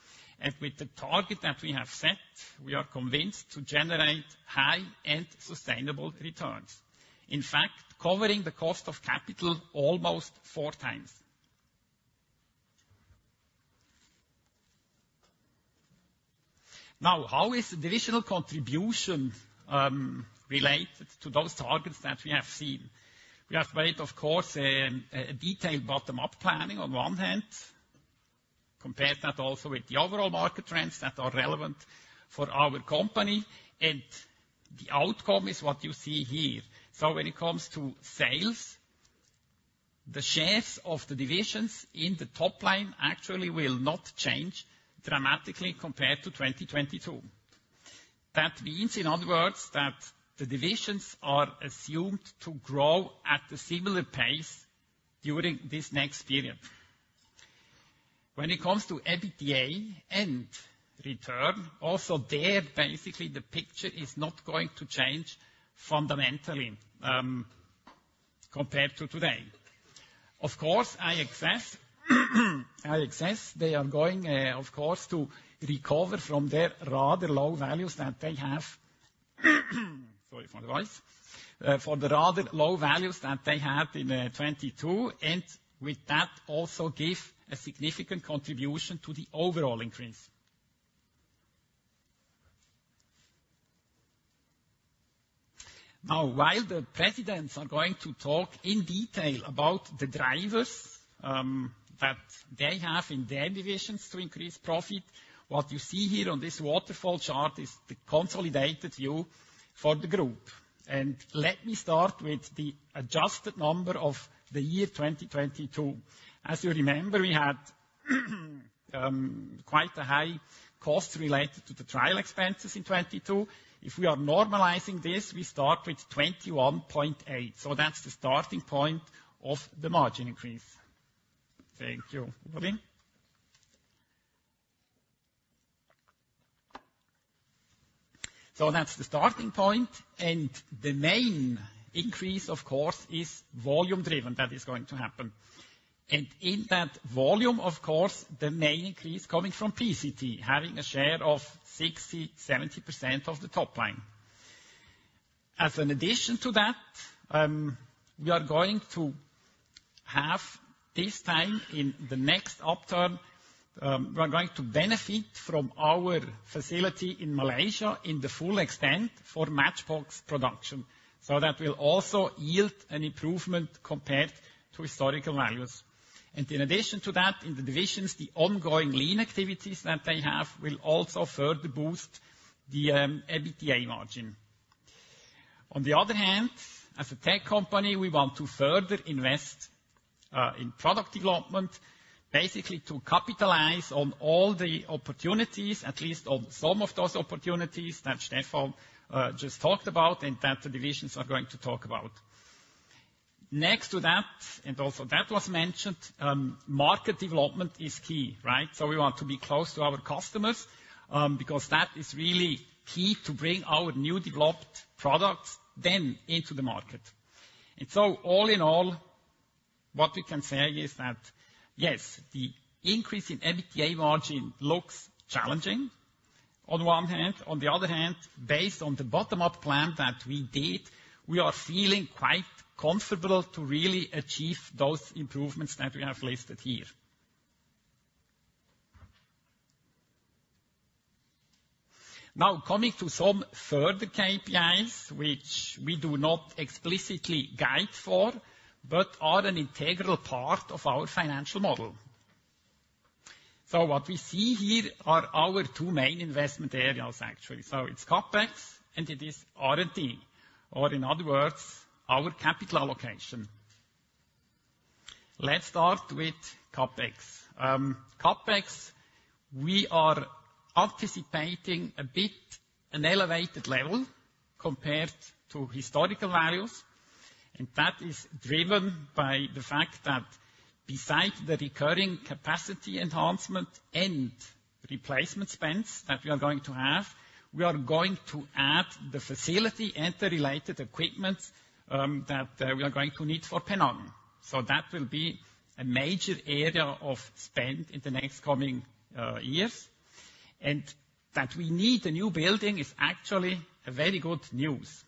and with the target that we have set, we are convinced to generate high and sustainable returns, in fact, covering the cost of capital almost four times. Now, how is the divisional contribution related to those targets that we have seen? We have made, of course, a detailed bottom-up planning on one hand, compared that also with the overall market trends that are relevant for our company, and the outcome is what you see here. When it comes to sales, the shares of the divisions in the top line actually will not change dramatically compared to 2022. That means, in other words, that the divisions are assumed to grow at a similar pace during this next period. When it comes to EBITDA and return, also there, basically, the picture is not going to change fundamentally, compared to today. Of course, IXS, they are going, of course, to recover from their rather low values that they had in 2022, and with that, also give a significant contribution to the overall increase. Sorry for my voice. Now, while the presidents are going to talk in detail about the drivers, that they have in their divisions to increase profit, what you see here on this waterfall chart is the consolidated view for the group. Let me start with the adjusted number of the year 2022. As you remember, we had, quite a high cost related to the trial expenses in 2022. If we are normalizing this, we start with 21.8, so that's the starting point of the margin increase. Thank you. So that's the starting point, and the main increase, of course, is volume-driven, that is going to happen. And in that volume, of course, the main increase coming from PCT, having a share of 60%-70% of the top line. As an addition to that, we are going to have this time in the next upturn, we are going to benefit from our facility in Malaysia in the full extent for matchbox production. So that will also yield an improvement compared to historical values. And in addition to that, in the divisions, the ongoing lean activities that they have will also further boost the EBITDA margin. On the other hand, as a tech company, we want to further invest in product development, basically to capitalize on all the opportunities, at least on some of those opportunities, that Stephan just talked about, and that the divisions are going to talk about. Next to that, and also that was mentioned, market development is key, right? So we want to be close to our customers, because that is really key to bring our new developed products then into the market. And so all in all, what we can say is that, yes, the increase in EBITDA margin looks challenging on one hand. On the other hand, based on the bottom-up plan that we did, we are feeling quite comfortable to really achieve those improvements that we have listed here. Now, coming to some further KPIs, which we do not explicitly guide for, but are an integral part of our financial model. So what we see here are our two main investment areas, actually. So it's CapEx, and it is R&D, or in other words, our capital allocation. Let's start with CapEx. CapEx, we are anticipating a bit an elevated level compared to historical values, and that is driven by the fact that besides the recurring capacity enhancement and replacement spends that we are going to have, we are going to add the facility and the related equipment, that we are going to need for Penang. So that will be a major area of spend in the next coming years. And that we need a new building is actually a very good news.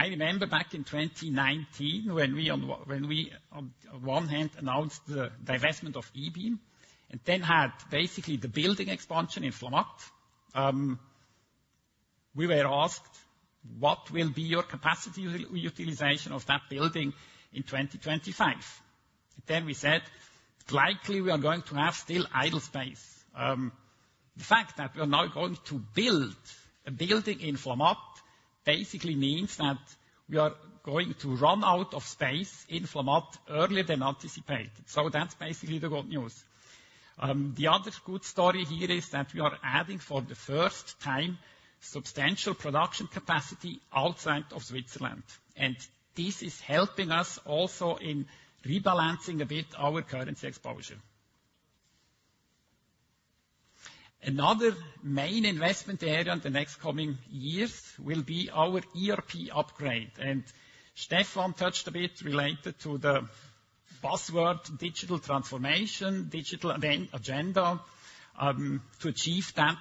I remember back in 2019, when we, on one hand, announced the divestment of ebeam, and then had basically the building expansion in Flamatt. We were asked: What will be your capacity utilization of that building in 2025? Then we said, "Likely, we are going to have still idle space." The fact that we are now going to build a building in Flamatt basically means that we are going to run out of space in Flamatt earlier than anticipated. So that's basically the good news. The other good story here is that we are adding, for the first time, substantial production capacity outside of Switzerland, and this is helping us also in rebalancing a bit our currency exposure. Another main investment area in the next coming years will be our ERP upgrade, and Stephan touched a bit related to the password, digital transformation, digital agenda. To achieve that,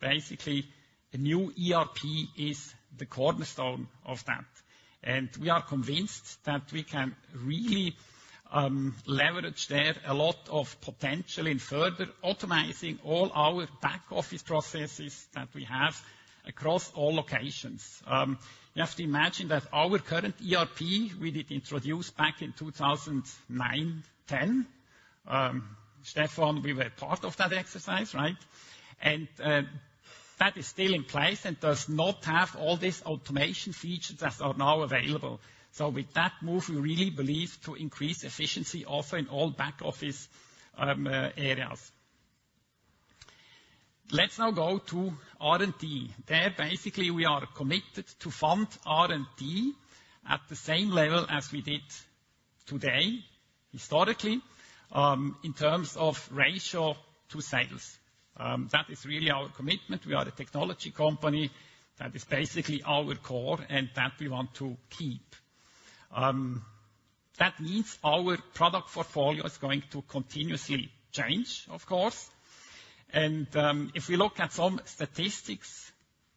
basically, a new ERP is the cornerstone of that, and we are convinced that we can really leverage there a lot of potential in further automating all our back office processes that we have across all locations. You have to imagine that our current ERP, we did introduce back in 2009, 2010. Stephan, we were part of that exercise, right? And that is still in place and does not have all these automation features that are now available. So with that move, we really believe to increase efficiency also in all back office areas. Let's now go to R&D. There, basically, we are committed to fund R&D at the same level as we did today, historically, in terms of ratio to sales. That is really our commitment. We are a technology company. That is basically our core, and that we want to keep. That means our product portfolio is going to continuously change, of course. If we look at some statistics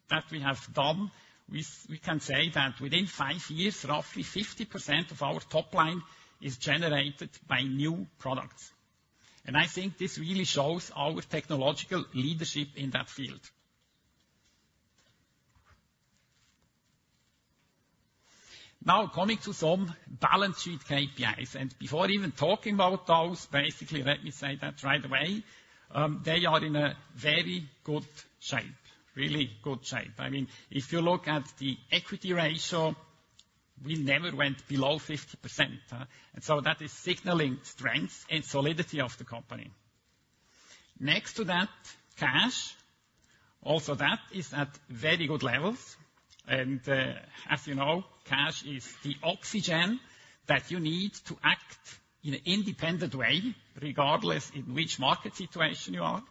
that we have done, we can say that within five years, roughly 50% of our top line is generated by new products. I think this really shows our technological leadership in that field. Now, coming to some balance sheet KPIs, and before even talking about those, basically, let me say that right away, they are in a very good shape, really good shape. I mean, if you look at the equity ratio, we never went below 50%, huh? And so that is signaling strength and solidity of the company. Next to that, cash, also, that is at very good levels. And, as you know, cash is the oxygen that you need to act in an independent way, regardless in which market situation you are.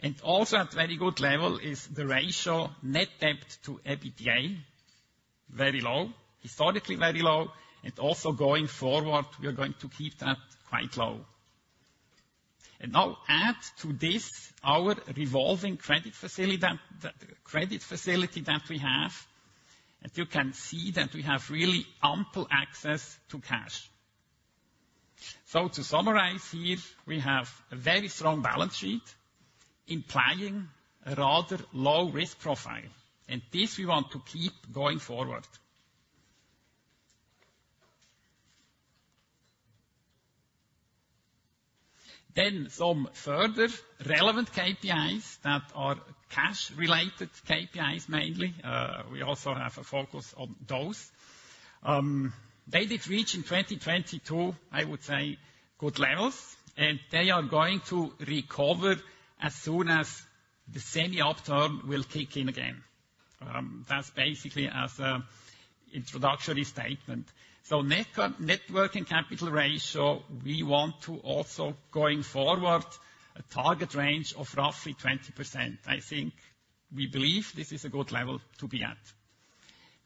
And also at very good level is the ratio net debt to EBITDA, very low, historically very low, and also going forward, we are going to keep that quite low. And now add to this, our revolving credit facilitat-- credit facility that we have, and you can see that we have really ample access to cash. So to summarize here, we have a very strong balance sheet implying a rather low risk profile, and this we want to keep going forward. Then some further relevant KPIs that are cash-related KPIs, mainly. We also have a focus on those. They did reach in 2022, I would say, good levels, and they are going to recover as soon as the semi-upturn will kick in again. That's basically an introductory statement. So net working capital ratio, we want to also, going forward, a target range of roughly 20%. I think we believe this is a good level to be at.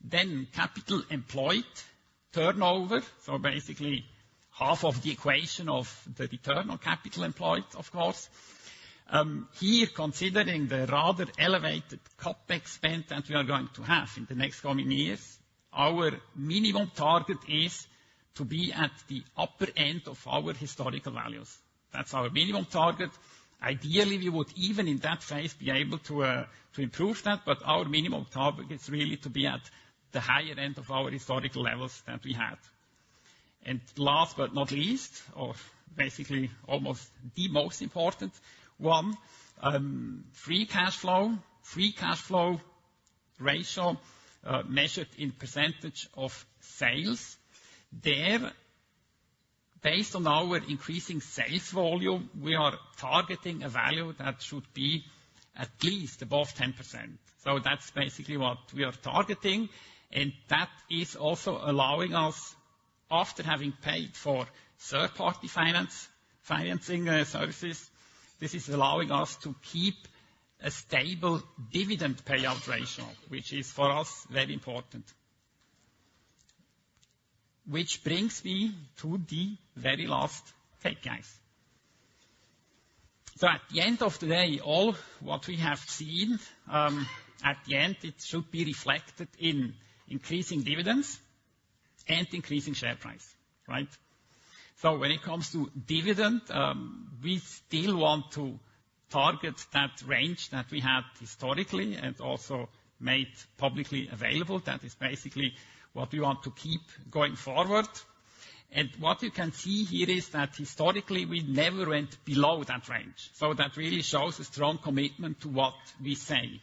Then capital employed turnover, so basically, half of the equation of the return on capital employed, of course. Here, considering the rather elevated CapEx spend that we are going to have in the next coming years, our minimum target is to be at the upper end of our historical values. That's our minimum target. Ideally, we would, even in that phase, be able to, to improve that, but our minimum target is really to be at the higher end of our historical levels that we had. And last but not least, or basically almost the most important one, free cash flow. Free cash flow ratio, measured in percentage of sales. There, based on our increasing sales volume, we are targeting a value that should be at least above 10%. So that's basically what we are targeting, and that is also allowing us, after having paid for third-party finance, financing, services, this is allowing us to keep a stable dividend payout ratio, which is, for us, very important. Which brings me to the very last KPIs. So at the end of the day, all what we have seen, at the end, it should be reflected in increasing dividends and increasing share price, right? So when it comes to dividend, we still want to target that range that we had historically and also made publicly available. That is basically what we want to keep going forward. And what you can see here is that historically, we never went below that range. So that really shows a strong commitment to what we say.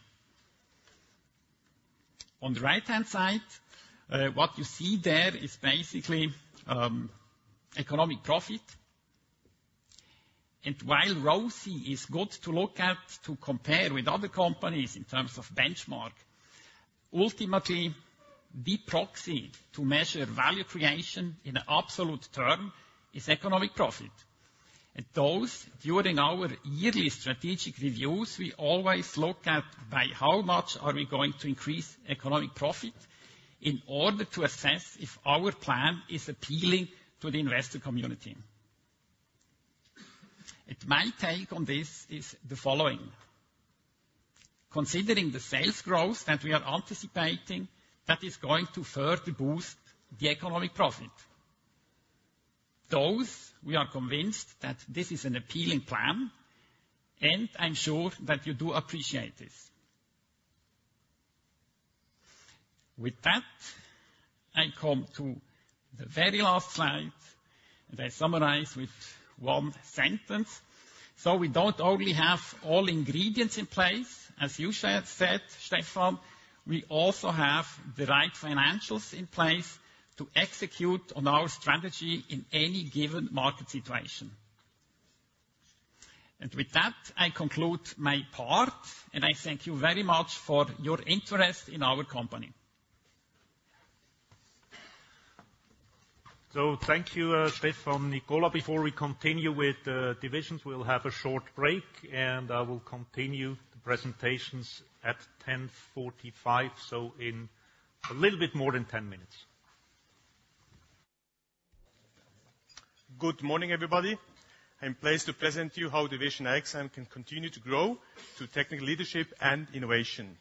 On the right-hand side, what you see there is basically economic profit. And while ROCE is good to look at, to compare with other companies in terms of benchmark, ultimately, the proxy to measure value creation in an absolute term is economic profit. And those, during our yearly strategic reviews, we always look at by how much are we going to increase economic profit in order to assess if our plan is appealing to the investor community. And my take on this is the following: considering the sales growth that we are anticipating, that is going to further boost the economic profit, those we are convinced that this is an appealing plan, and I'm sure that you do appreciate this. With that, I come to the very last slide, and I summarize with one sentence: So we don't only have all ingredients in place, as you said, Stephan, we also have the right financials in place to execute on our strategy in any given market situation. And with that, I conclude my part, and I thank you very much for your interest in our company. Thank you, Stephan, Nicola. Before we continue with the divisions, we'll have a short break, and I will continue the presentations at 10:45 A.M., so in a little bit more than 10 minutes. Good morning, everybody. I'm pleased to present to you how Division IXS can continue to grow through technical leadership and innovation.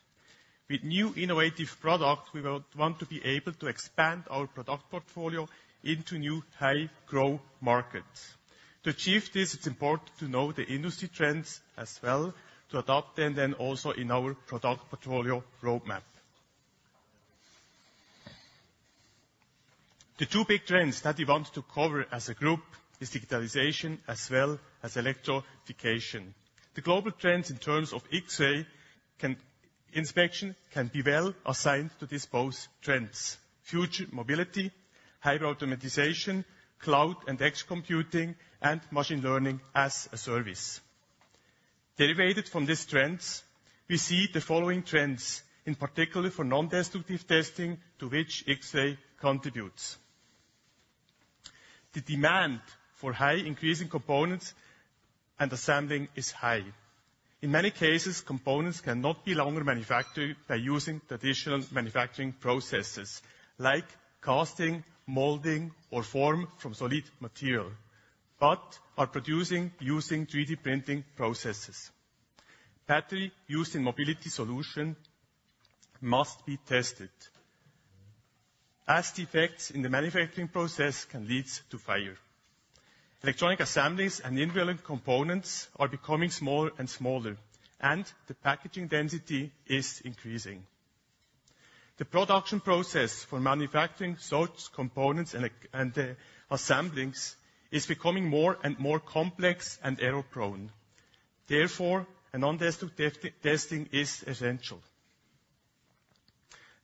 With new innovative products, we will want to be able to expand our product portfolio into new high-growth markets. To achieve this, it's important to know the industry trends as well, to adopt them then also in our product portfolio roadmap. The two big trends that we want to cover as a group is digitalization as well as electrification. The global trends in terms of X-ray inspection can be well assigned to these both trends: future mobility, high automation, cloud and edge computing, and machine learning as a service. Derived from these trends, we see the following trends, in particular for nondestructive testing, to which X-ray contributes. The demand for highly increasing components and assemblies is high. In many cases, components cannot be longer manufactured by using traditional manufacturing processes, like casting, molding, or form from solid material, but are producing using 3D printing processes. Batteries used in mobility solutions must be tested, as defects in the manufacturing process can lead to fire. Electronic assemblies and the intricate components are becoming smaller and smaller, and the packaging density is increasing. The production process for manufacturing such components and, and, assemblies is becoming more and more complex and error-prone. Therefore, a nondestructive testing is essential.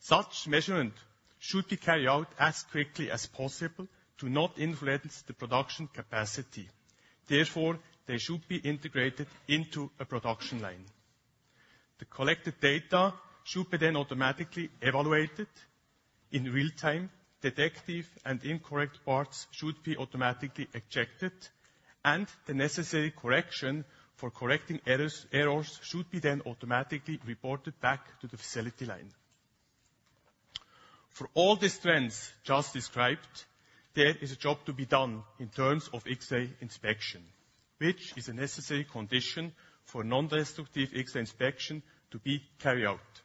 Such measurements should be carried out as quickly as possible to not influence the production capacity. Therefore, they should be integrated into a production line. The collected data should be then automatically evaluated in real time. Defective and incorrect parts should be automatically ejected, and the necessary correction for correcting errors, errors should be then automatically reported back to the fab line. For all these trends just described, there is a job to be done in terms of X-ray inspection, which is a necessary condition for nondestructive X-ray inspection to be carried out.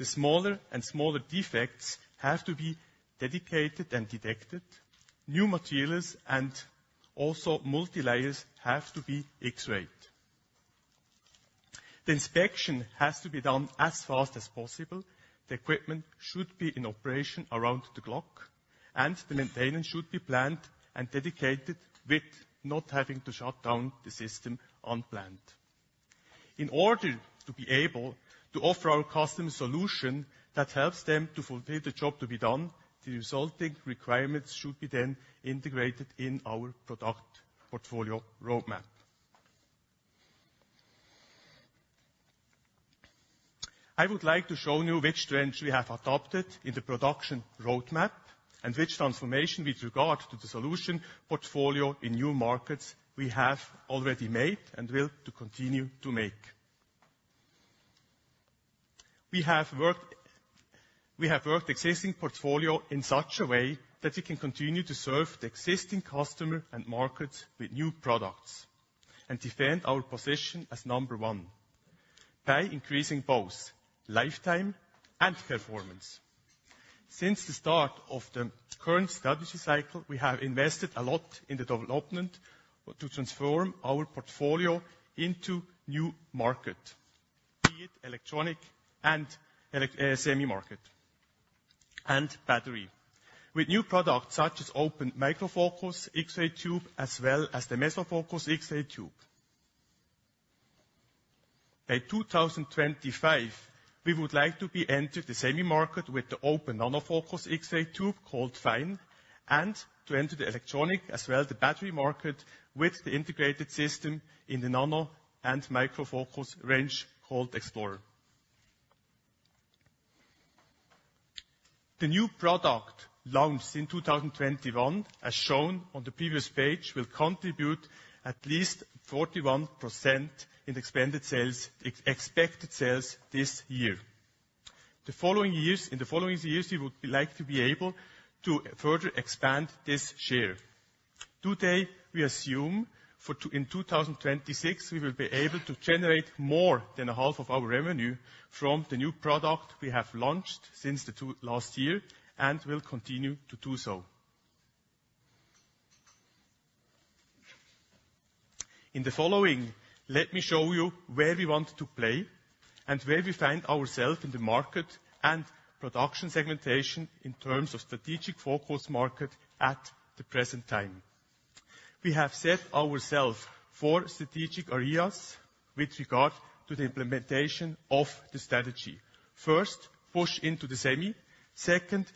The smaller and smaller defects have to be detected and detected. New materials and also multilayers have to be X-rayed. The inspection has to be done as fast as possible. The equipment should be in operation around the clock, and the maintenance should be planned and predicted with not having to shut down the system unplanned. In order to be able to offer our customers solution that helps them to fulfill the job to be done, the resulting requirements should be then integrated in our product portfolio roadmap. I would like to show you which trends we have adopted in the production roadmap and which transformation with regard to the solution portfolio in new markets we have already made and will to continue to make. We have worked existing portfolio in such a way that we can continue to serve the existing customer and markets with new products, and defend our position as number one by increasing both lifetime and performance. Since the start of the current strategy cycle, we have invested a lot in the development to transform our portfolio into new market, be it electronic and semi market and battery. With new products such as open microfocus X-ray tube, as well as the MesoFocus X-ray tube. By 2025, we would like to be entered the semi market with the open nanofocus X-ray tube, called FYNE, and to enter the electronic, as well the battery market, with the integrated system in the nano and micro focus range, called Explorer. The new product, launched in 2021, as shown on the previous page, will contribute at least 41% in expanded sales—expected sales this year. The following years, in the following years, we would like to be able to further expand this share. Today, we assume in 2026, we will be able to generate more than half of our revenue from the new products we have launched since the last two years and will continue to do so. In the following, let me show you where we want to play and where we find ourselves in the market and production segmentation in terms of strategic focus market at the present time. We have set ourselves four strategic areas with regard to the implementation of the strategy. First, push into the semi. Second,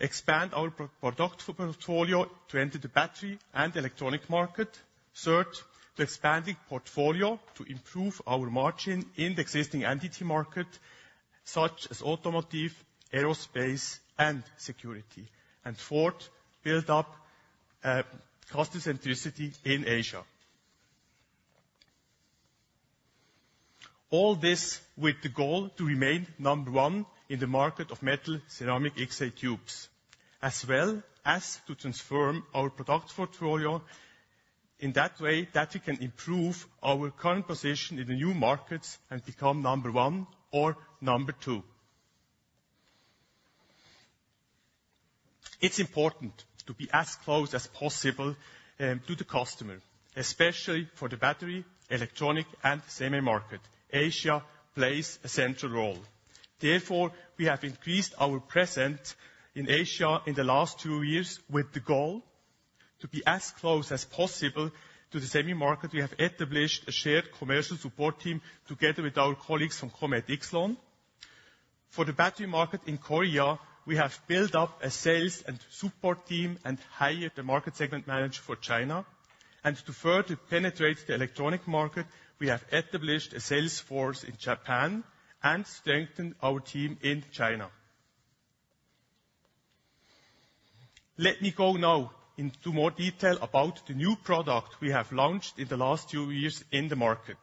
expand our product portfolio to enter the battery and electronic market. Third, expanding portfolio to improve our margin in the existing end market such as automotive, aerospace, and security. And fourth, build up cost centricity in Asia. All this with the goal to remain number one in the market of metal-ceramic X-ray tubes, as well as to transform our product portfolio in that way that we can improve our current position in the new markets and become number one or number two. It's important to be as close as possible to the customer, especially for the battery, electronic, and semi market. Asia plays a central role. Therefore, we have increased our presence in Asia in the last two years with the goal to be as close as possible to the semi market. We have established a shared commercial support team together with our colleagues from Comet Yxlon. For the battery market in Korea, we have built up a sales and support team and hired a market segment manager for China. To further penetrate the electronic market, we have established a sales force in Japan and strengthened our team in China. Let me go now into more detail about the new product we have launched in the last two years in the market.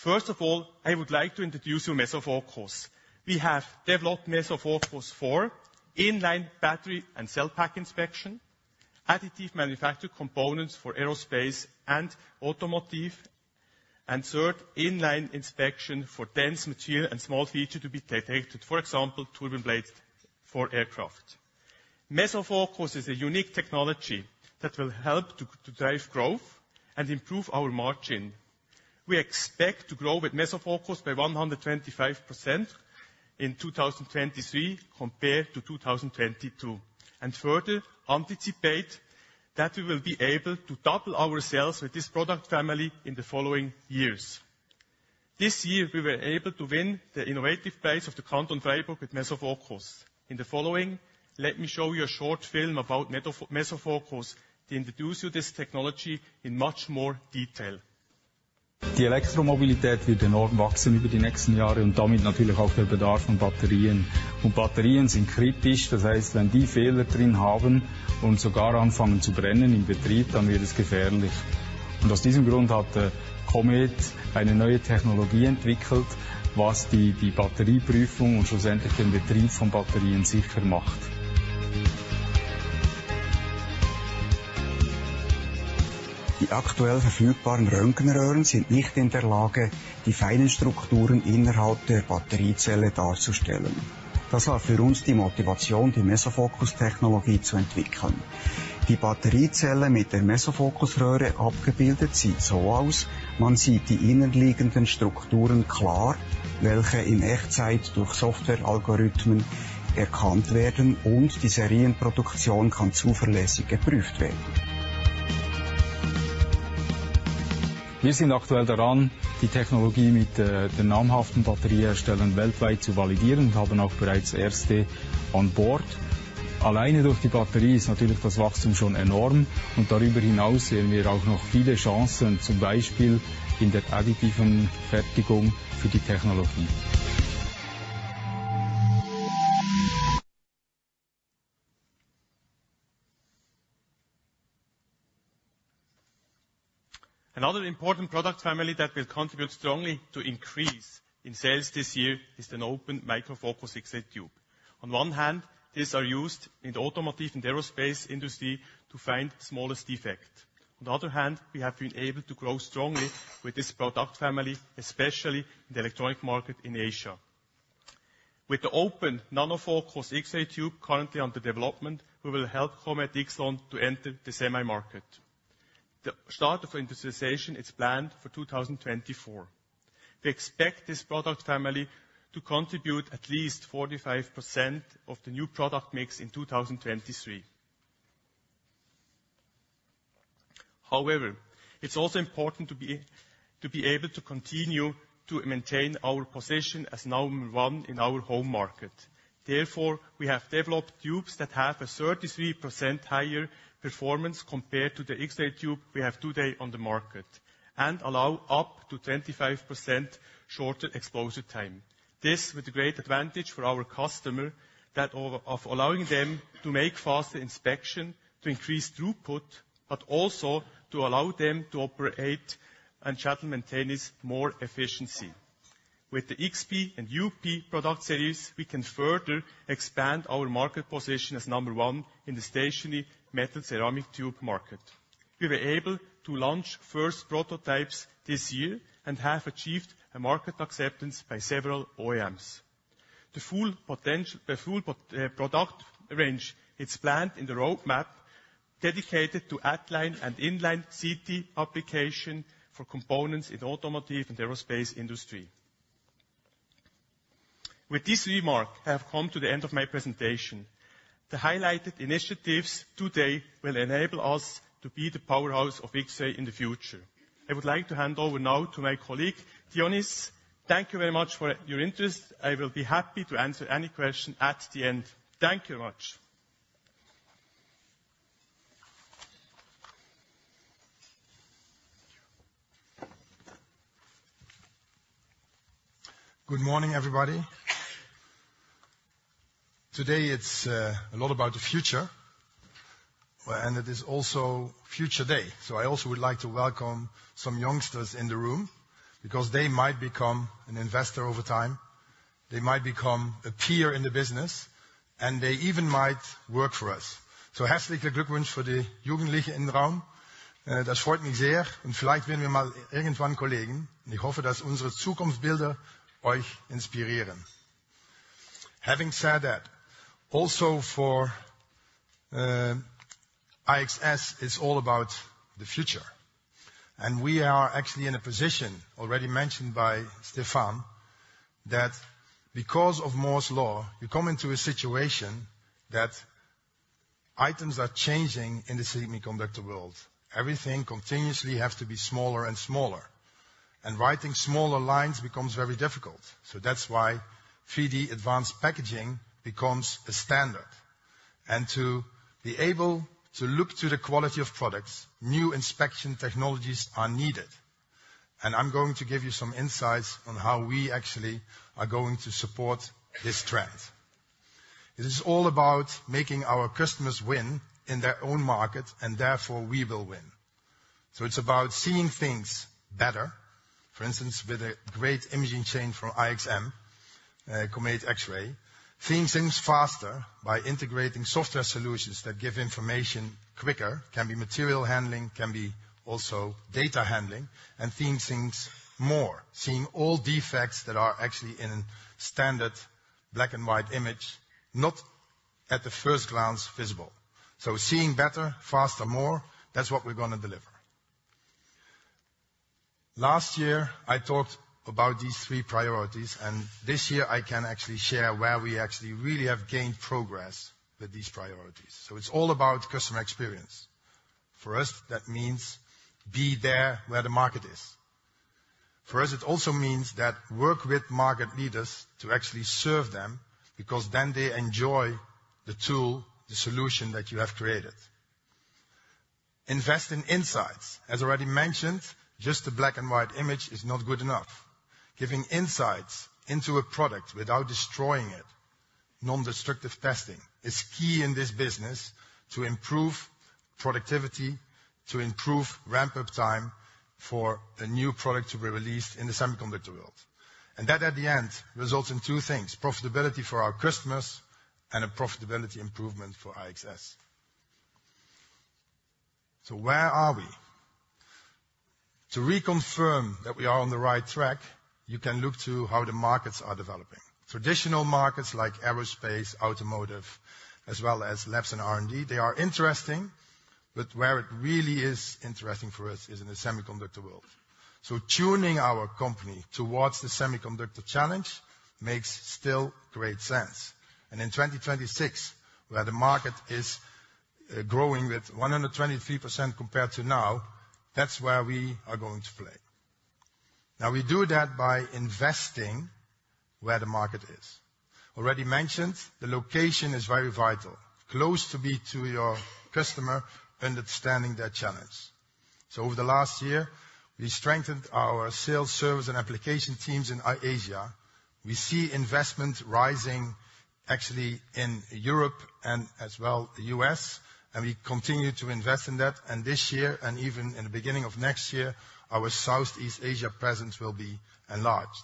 First of all, I would like to introduce you to MesoFocus. We have developed MesoFocus for in-line battery and cell pack inspection, additive manufactured components for aerospace and automotive, and third, in-line inspection for dense material and small feature to be detected, for example, turbine blades for aircraft. MesoFocus is a unique technology that will help to drive growth and improve our margin. We expect to grow with MesoFocus by 125% in 2023 compared to 2022, and further anticipate that we will be able to double our sales with this product family in the following years. This year, we were able to win the innovative prize of the Canton of Fribourg with MesoFocus. In the following, let me show you a short film about MesoFocus to introduce you this technology in much more detail. Another important product family that will contribute strongly to increase in sales this year is an open microfocus X-ray tube. On one hand, these are used in the automotive and aerospace industry to find smallest defect. On the other hand, we have been able to grow strongly with this product family, especially in the electronic market in Asia. With the open nanofocus X-ray tube currently under development, we will help Comet Yxlon to enter the semi market. The start of industrialization is planned for 2024. We expect this product family to contribute at least 45% of the new product mix in 2023. However, it's also important to be able to continue to maintain our position as number one in our home market. Therefore, we have developed tubes that have a 33% higher performance compared to the X-ray tube we have today on the market, and allow up to 25% shorter exposure time. This with a great advantage for our customer, that of allowing them to make faster inspection, to increase throughput, but also to allow them to operate and schedule maintenance more efficiency. With the XP and UP product series, we can further expand our market position as number one in the stationary metal-ceramic tube market. We were able to launch first prototypes this year and have achieved a market acceptance by several OEMs. The full product range is planned in the roadmap dedicated to outline and in-line CT application for components in automotive and aerospace industry. With this remark, I have come to the end of my presentation. The highlighted initiatives today will enable us to be the powerhouse of X-ray in the future. I would like to hand over now to my colleague, Dionys. Thank you very much for your interest. I will be happy to answer any question at the end. Thank you much! Good morning, everybody. Today, it's a lot about the future, and it is also Future Day. So I also would like to welcome some youngsters in the room because they might become an investor over time, they might become a peer in the business, and they even might work for us. So, for the youth in the room. Having said that, also for IXS, it's all about the future. And we are actually in a position already mentioned by Stephan, that because of Moore's Law, you come into a situation that items are changing in the semiconductor world. Everything continuously has to be smaller and smaller, and writing smaller lines becomes very difficult. So that's why 3D advanced packaging becomes a standard. And to be able to look to the quality of products, new inspection technologies are needed. I'm going to give you some insights on how we actually are going to support this trend. It is all about making our customers win in their own market, and therefore, we will win. So it's about seeing things better. For instance, with a great imaging chain from IXM, Comet X-ray. Seeing things faster by integrating software solutions that give information quicker, can be material handling, can be also data handling. And seeing things more, seeing all defects that are actually in a standard black-and-white image, not at the first glance, visible. So seeing better, faster, more, that's what we're gonna deliver. Last year, I talked about these three priorities, and this year I can actually share where we actually really have gained progress with these priorities. So it's all about customer experience. For us, that means be there where the market is. For us, it also means that work with market leaders to actually serve them, because then they enjoy the tool, the solution that you have created. Invest in insights. As already mentioned, just a black-and-white image is not good enough. Giving insights into a product without destroying it, nondestructive testing, is key in this business to improve productivity, to improve ramp-up time for a new product to be released in the semiconductor world. And that, at the end, results in two things: profitability for our customers and a profitability improvement for IXS. So where are we? To reconfirm that we are on the right track, you can look to how the markets are developing. Traditional markets like aerospace, automotive, as well as labs and R&D, they are interesting, but where it really is interesting for us is in the semiconductor world. So tuning our company towards the semiconductor challenge makes still great sense, and in 2026, where the market is growing with 123% compared to now, that's where we are going to play. Now, we do that by investing where the market is. Already mentioned, the location is very vital, close to your customer, understanding their challenge. So over the last year, we strengthened our sales, service, and application teams in Asia. We see investment rising, actually, in Europe and as well the U.S., and we continue to invest in that. And this year, and even in the beginning of next year, our Southeast Asia presence will be enlarged.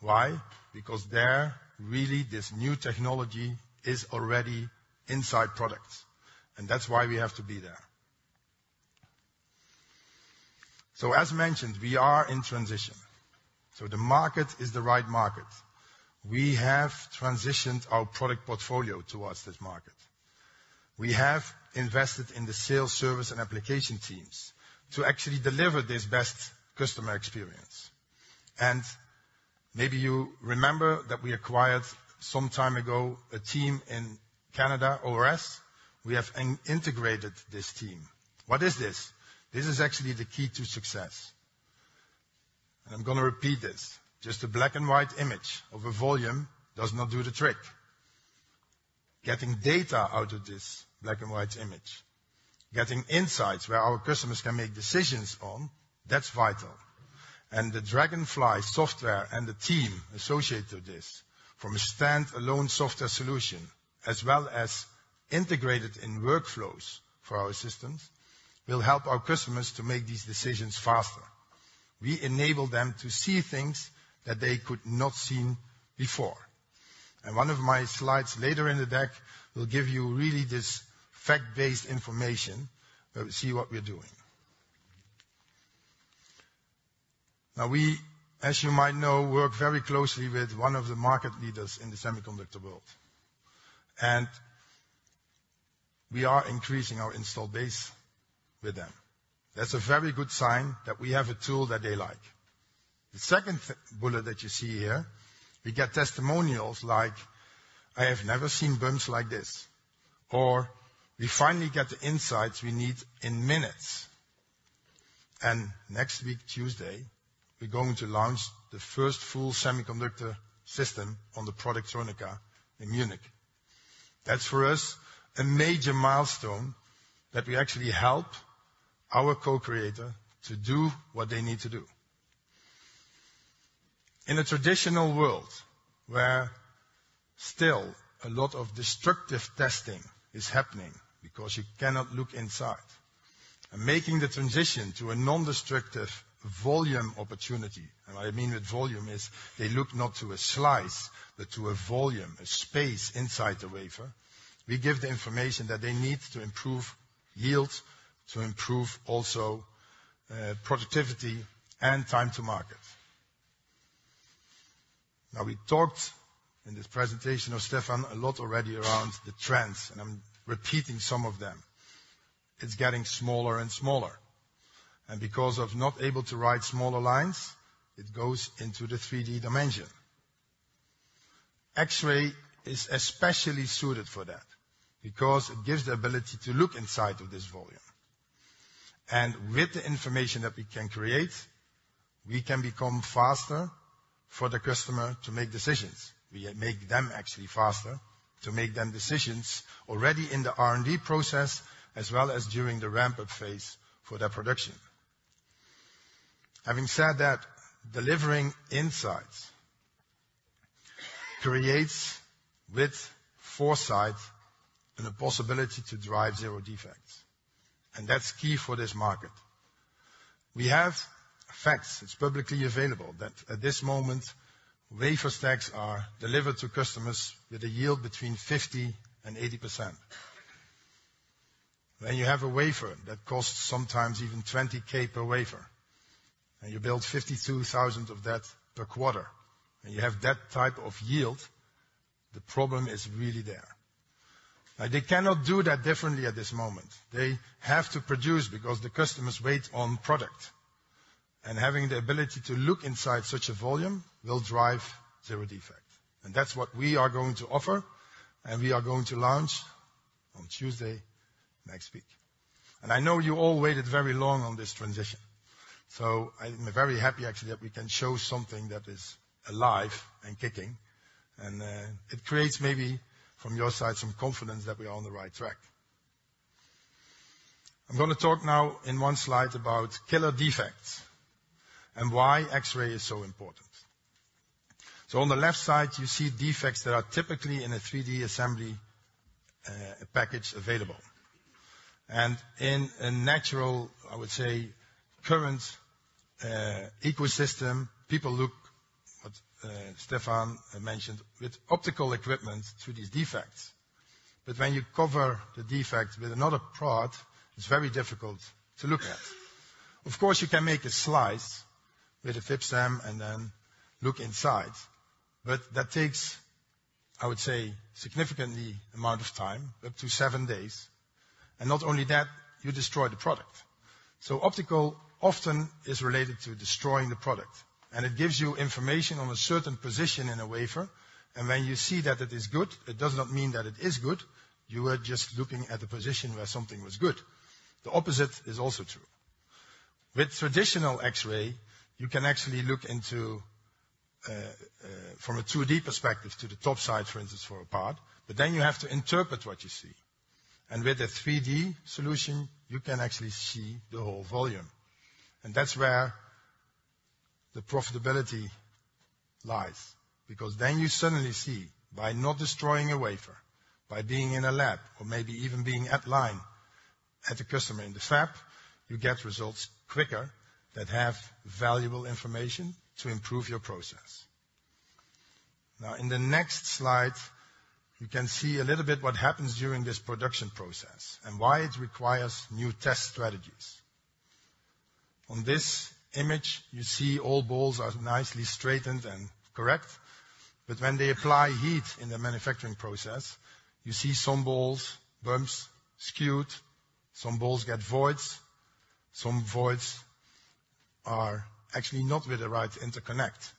Why? Because there, really, this new technology is already inside products, and that's why we have to be there. So, as mentioned, we are in transition, so the market is the right market. We have transitioned our product portfolio towards this market. We have invested in the sales, service, and application teams to actually deliver this best customer experience. Maybe you remember that we acquired, some time ago, a team in Canada, ORS. We have integrated this team. What is this? This is actually the key to success. I'm gonna repeat this, just a black-and-white image of a volume does not do the trick. Getting data out of this black-and-white image, getting insights where our customers can make decisions on, that's vital. The Dragonfly software and the team associated with this, from a standalone software solution, as well as integrated in workflows for our systems, will help our customers to make these decisions faster. We enable them to see things that they could not seen before. One of my slides later in the deck will give you really this fact-based information, where we see what we're doing. Now, we, as you might know, work very closely with one of the market leaders in the semiconductor world, and we are increasing our install base with them. That's a very good sign that we have a tool that they like. The second bullet that you see here, we get testimonials like, "I have never seen bumps like this," or, "We finally get the insights we need in minutes." Next week, Tuesday, we're going to launch the first full semiconductor system on the Productronica in Munich. That's, for us, a major milestone, that we actually help our co-creator to do what they need to do. In a traditional world, where still a lot of destructive testing is happening because you cannot look inside, and making the transition to a nondestructive volume opportunity, and what I mean with volume is they look not to a slice, but to a volume, a space inside the wafer. We give the information that they need to improve yield, to improve also, productivity, and time to market. Now, we talked in this presentation of Stephan a lot already around the trends, and I'm repeating some of them. It's getting smaller and smaller, and because of not able to write smaller lines, it goes into the 3D dimension. X-ray is especially suited for that because it gives the ability to look inside of this volume. With the information that we can create, we can become faster for the customer to make decisions. We make them actually faster to make them decisions already in the R&D process, as well as during the ramp-up phase for their production. Having said that, delivering insights creates with foresight and the possibility to drive zero defects, and that's key for this market. We have facts, it's publicly available, that at this moment, wafer stacks are delivered to customers with a yield between 50% and 80%. When you have a wafer that costs sometimes even 20,000 per wafer, and you build 52,000 of that per quarter, and you have that type of yield, the problem is really there. Now, they cannot do that differently at this moment. They have to produce because the customers wait on product, and having the ability to look inside such a volume will drive zero defect. That's what we are going to offer, and we are going to launch on Tuesday, next week. I know you all waited very long on this transition, so I'm very happy actually that we can show something that is alive and kicking. It creates, maybe, from your side, some confidence that we are on the right track. I'm gonna talk now in one slide about killer defects and why X-ray is so important. On the left side, you see defects that are typically in a 3D assembly, package available. In a natural, I would say, current, ecosystem, people look, what Stephan mentioned, with optical equipment through these defects, but when you cover the defect with another product, it's very difficult to look at. Of course, you can make a slice with a FIB-SEM and then look inside, but that takes, I would say, a significant amount of time, up to seven days. And not only that, you destroy the product. So optical often is related to destroying the product, and it gives you information on a certain position in a wafer, and when you see that it is good, it does not mean that it is good. You are just looking at the position where something was good. The opposite is also true. With traditional X-ray, you can actually look into from a 2D perspective to the top side, for instance, for a part, but then you have to interpret what you see. And with a 3D solution, you can actually see the whole volume, and that's where the profitability lies. Because then you suddenly see, by not destroying a wafer, by being in a lab or maybe even being at line at the customer in the fab, you get results quicker that have valuable information to improve your process. Now, in the next slide, you can see a little bit what happens during this production process and why it requires new test strategies. On this image, you see all balls are nicely straightened and correct, but when they apply heat in the manufacturing process, you see some balls, bumps skewed, some balls get voids, some voids are actually not with the right interconnect.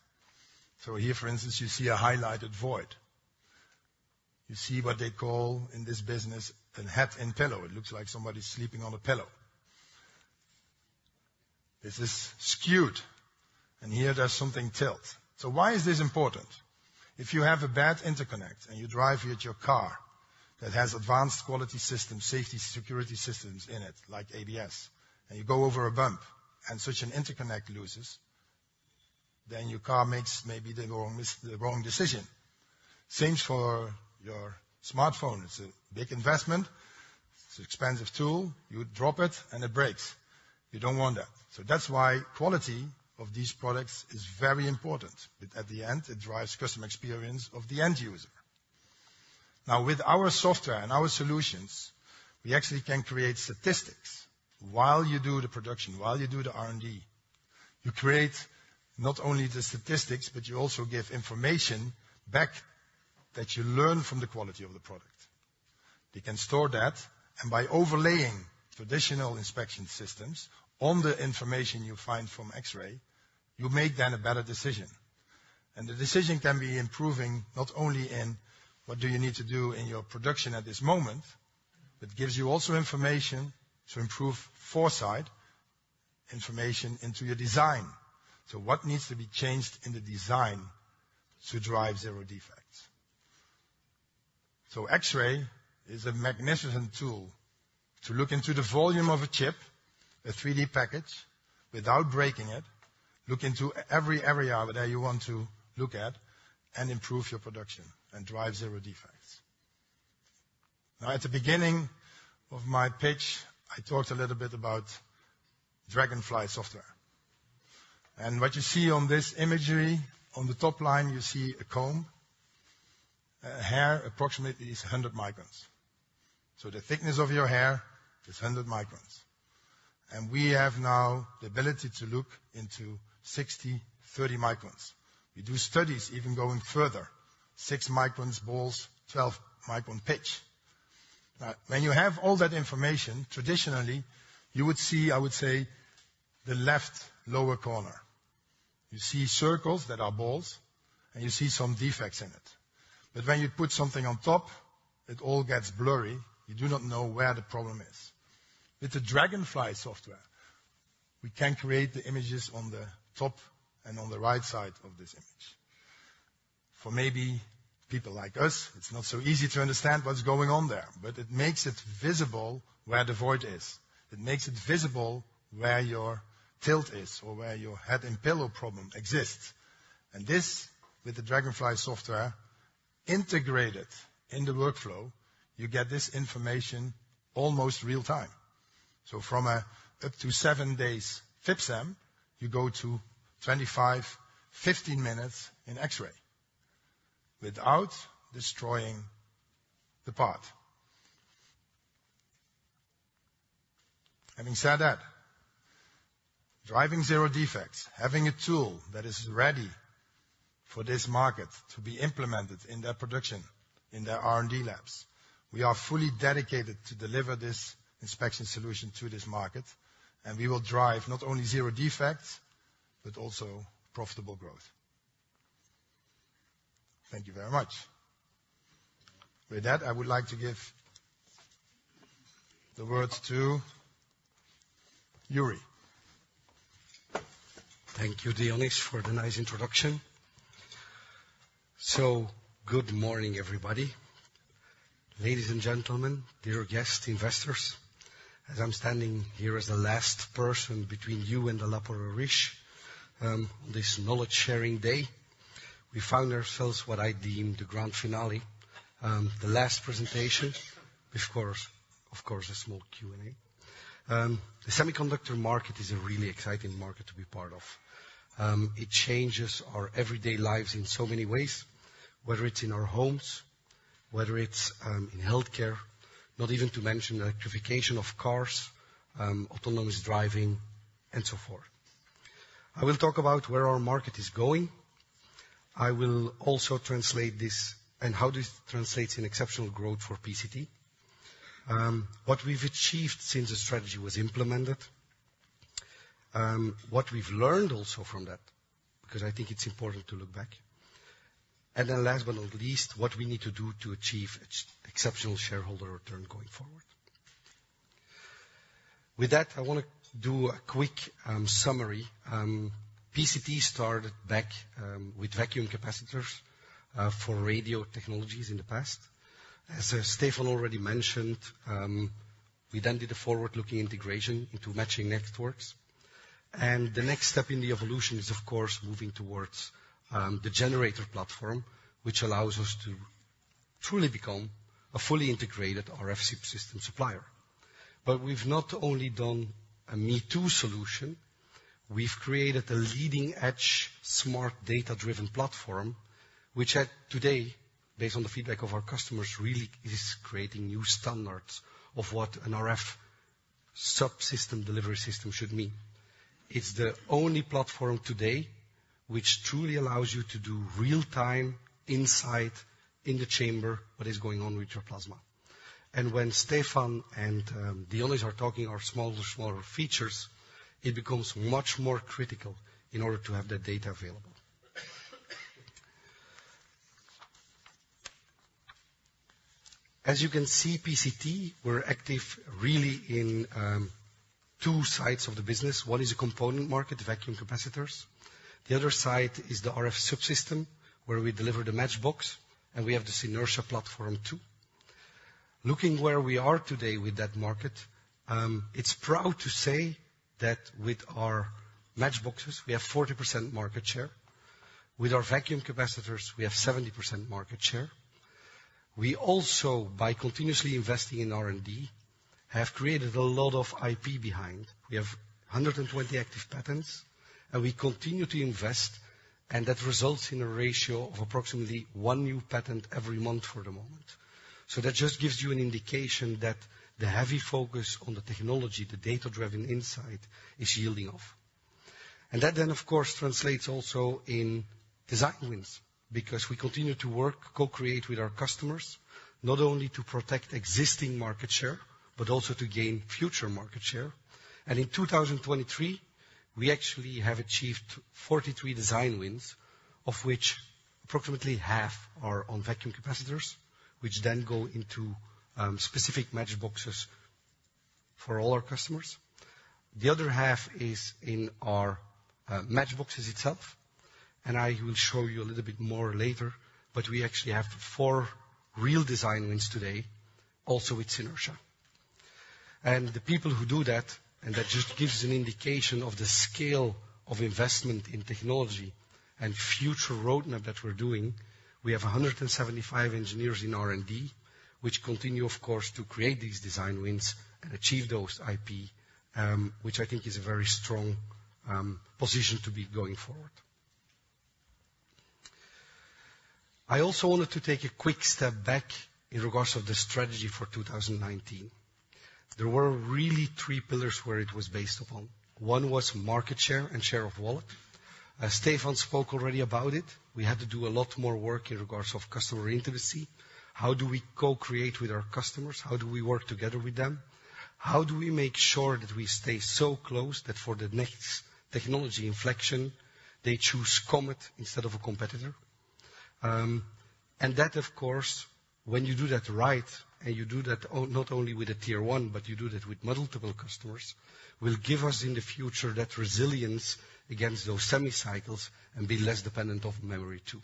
So here, for instance, you see a highlighted void. You see what they call in this business, a Head in pillow. It looks like somebody's sleeping on a pillow. This is skewed, and here there's something tilt. So why is this important? If you have a bad interconnect and you drive with your car that has advanced quality system, safety security systems in it, like ABS, and you go over a bump and such an interconnect loses, then your car makes maybe the wrong decision. Same for your smartphone. It's a big investment. It's an expensive tool. You drop it, and it breaks. You don't want that. So that's why quality of these products is very important, but at the end, it drives customer experience of the end user. Now, with our software and our solutions, we actually can create statistics while you do the production, while you do the R&D. You create not only the statistics, but you also give information back that you learn from the quality of the product. You can store that, and by overlaying traditional inspection systems on the information you find from X-ray, you make then a better decision. And the decision can be improving, not only in what do you need to do in your production at this moment, but gives you also information to improve foresight, information into your design. So what needs to be changed in the design to drive zero defects? So X-ray is a magnificent tool to look into the volume of a chip, a 3D package, without breaking it. Look into every area that you want to look at, and improve your production, and drive zero defects. Now, at the beginning of my pitch, I talked a little bit about Dragonfly software. And what you see on this imagery, on the top line, you see a comb. A hair approximately is 100 microns, so the thickness of your hair is 100 microns, and we have now the ability to look into 60 microns, 30 microns. We do studies even going further, 6-micron balls, 12-micron pitch. Now, when you have all that information, traditionally, you would see, I would say, the left lower corner. You see circles that are balls, and you see some defects in it. But when you put something on top, it all gets blurry. You do not know where the problem is. With the Dragonfly software, we can create the images on the top and on the right side of this image. For maybe people like us, it's not so easy to understand what's going on there, but it makes it visible where the void is. It makes it visible where your tilt is or where your head and pillow problem exists. And this, with the Dragonfly software, integrated in the workflow, you get this information almost real time. So from up to seven days FIB-SEM, you go to 25, 15 minutes in X-ray without destroying the part. Having said that, driving zero defects, having a tool that is ready for this market to be implemented in their production, in their R&D labs, we are fully dedicated to deliver this inspection solution to this market, and we will drive not only zero defects, but also profitable growth. Thank you very much. With that, I would like to give the words to Joeri. Thank you, Dionys, for the nice introduction. So good morning, everybody. Ladies and gentlemen, dear guests, investors, as I'm standing here as the last person between you and the lap of rich, this knowledge sharing day, we found ourselves what I deem the grand finale, the last presentation. Of course, of course, a small Q&A. The semiconductor market is a really exciting market to be part of. It changes our everyday lives in so many ways, whether it's in our homes, whether it's in healthcare, not even to mention the electrification of cars, autonomous driving, and so forth. I will talk about where our market is going. I will also translate this and how this translates in exceptional growth for PCT. What we've achieved since the strategy was implemented, what we've learned also from that, because I think it's important to look back. And then last but not least, what we need to do to achieve exceptional shareholder return going forward. With that, I want to do a quick summary. PCT started back with vacuum capacitors for radio technologies in the past. As Stephan already mentioned, we then did a forward-looking integration into matching networks, and the next step in the evolution is, of course, moving towards the generator platform, which allows us to truly become a fully integrated RF subsystem supplier. But we've not only done a me-too solution, we've created a leading-edge, smart, data-driven platform, which as of today, based on the feedback of our customers, really is creating new standards of what an RF subsystem delivery system should mean. It's the only platform today which truly allows you to do real time inside in the chamber what is going on with your plasma. And when Stephan and Dionys are talking about smaller, smaller features, it becomes much more critical in order to have that data available. As you can see, PCT, we're active really in two sides of the business. One is the component market, vacuum capacitors. The other side is the RF subsystem, where we deliver the matchbox, and we have this Synertia platform, too. Looking where we are today with that market, it's proud to say that with our matchboxes, we have 40% market share. With our vacuum capacitors, we have 70% market share. We also, by continuously investing in R&D, have created a lot of IP behind. We have 120 active patents, and we continue to invest, and that results in a ratio of approximately one new patent every month for the moment. So that just gives you an indication that the heavy focus on the technology, the data-driven insight, is yielding off. And that then, of course, translates also in design wins, because we continue to work, co-create with our customers, not only to protect existing market share, but also to gain future market share. And in 2023, we actually have achieved 43 design wins, of which approximately half are on vacuum capacitors, which then go into specific matchboxes for all our customers. The other half is in our matchboxes itself, and I will show you a little bit more later. But we actually have four real design wins today, also with Synertia. And the people who do that, and that just gives an indication of the scale of investment in technology and future roadmap that we're doing. We have 175 engineers in R&D, which continue, of course, to create these design wins and achieve those IP, which I think is a very strong position to be going forward. I also wanted to take a quick step back in regards of the strategy for 2019. There were really three pillars where it was based upon. One was market share and share of wallet. As Stephan spoke already about it, we had to do a lot more work in regards of customer intimacy. How do we co-create with our customers? How do we work together with them? How do we make sure that we stay so close that for the next technology inflection, they choose Comet instead of a competitor? And that, of course, when you do that right, and you do that not only with a tier one, but you do that with multiple customers, will give us, in the future, that resilience against those semi cycles and be less dependent on memory, too.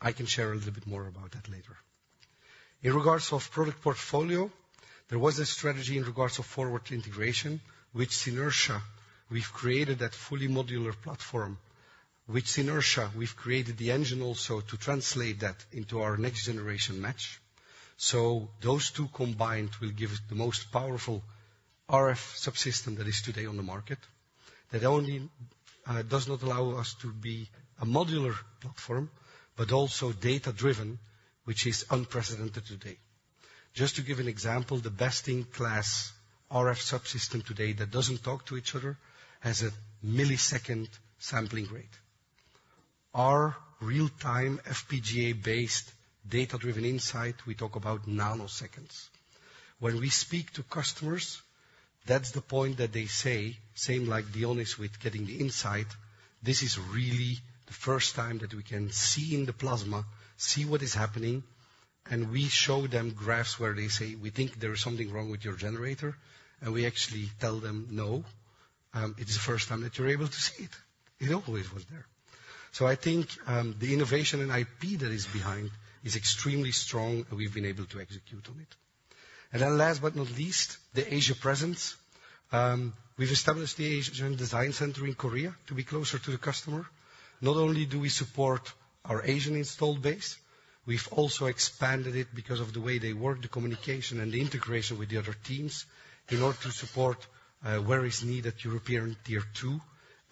I can share a little bit more about that later. In regards to product portfolio, there was a strategy in regards to forward integration. With Synertia, we've created that fully modular platform. With Synertia, we've created the engine also to translate that into our next generation match. So those two combined will give the most powerful RF subsystem that is today on the market, that only does not allow us to be a modular platform, but also data-driven, which is unprecedented today. Just to give an example, the best-in-class RF subsystem today that doesn't talk to each other, has a millisecond sampling rate. Our real-time FPGA-based, data-driven insight, we talk about nanoseconds. When we speak to customers, that's the point that they say, same like the onus with getting the insight, "This is really the first time that we can see in the plasma, see what is happening," and we show them graphs where they say, "We think there is something wrong with your generator." And we actually tell them, "No, it is the first time that you're able to see it. It always was there." So I think, the innovation and IP that is behind is extremely strong, and we've been able to execute on it. And then last but not least, the Asia presence. We've established the Asian design center in Korea to be closer to the customer. Not only do we support our Asian installed base, we've also expanded it because of the way they work, the communication and the integration with the other teams, in order to support, where is needed, European tier two,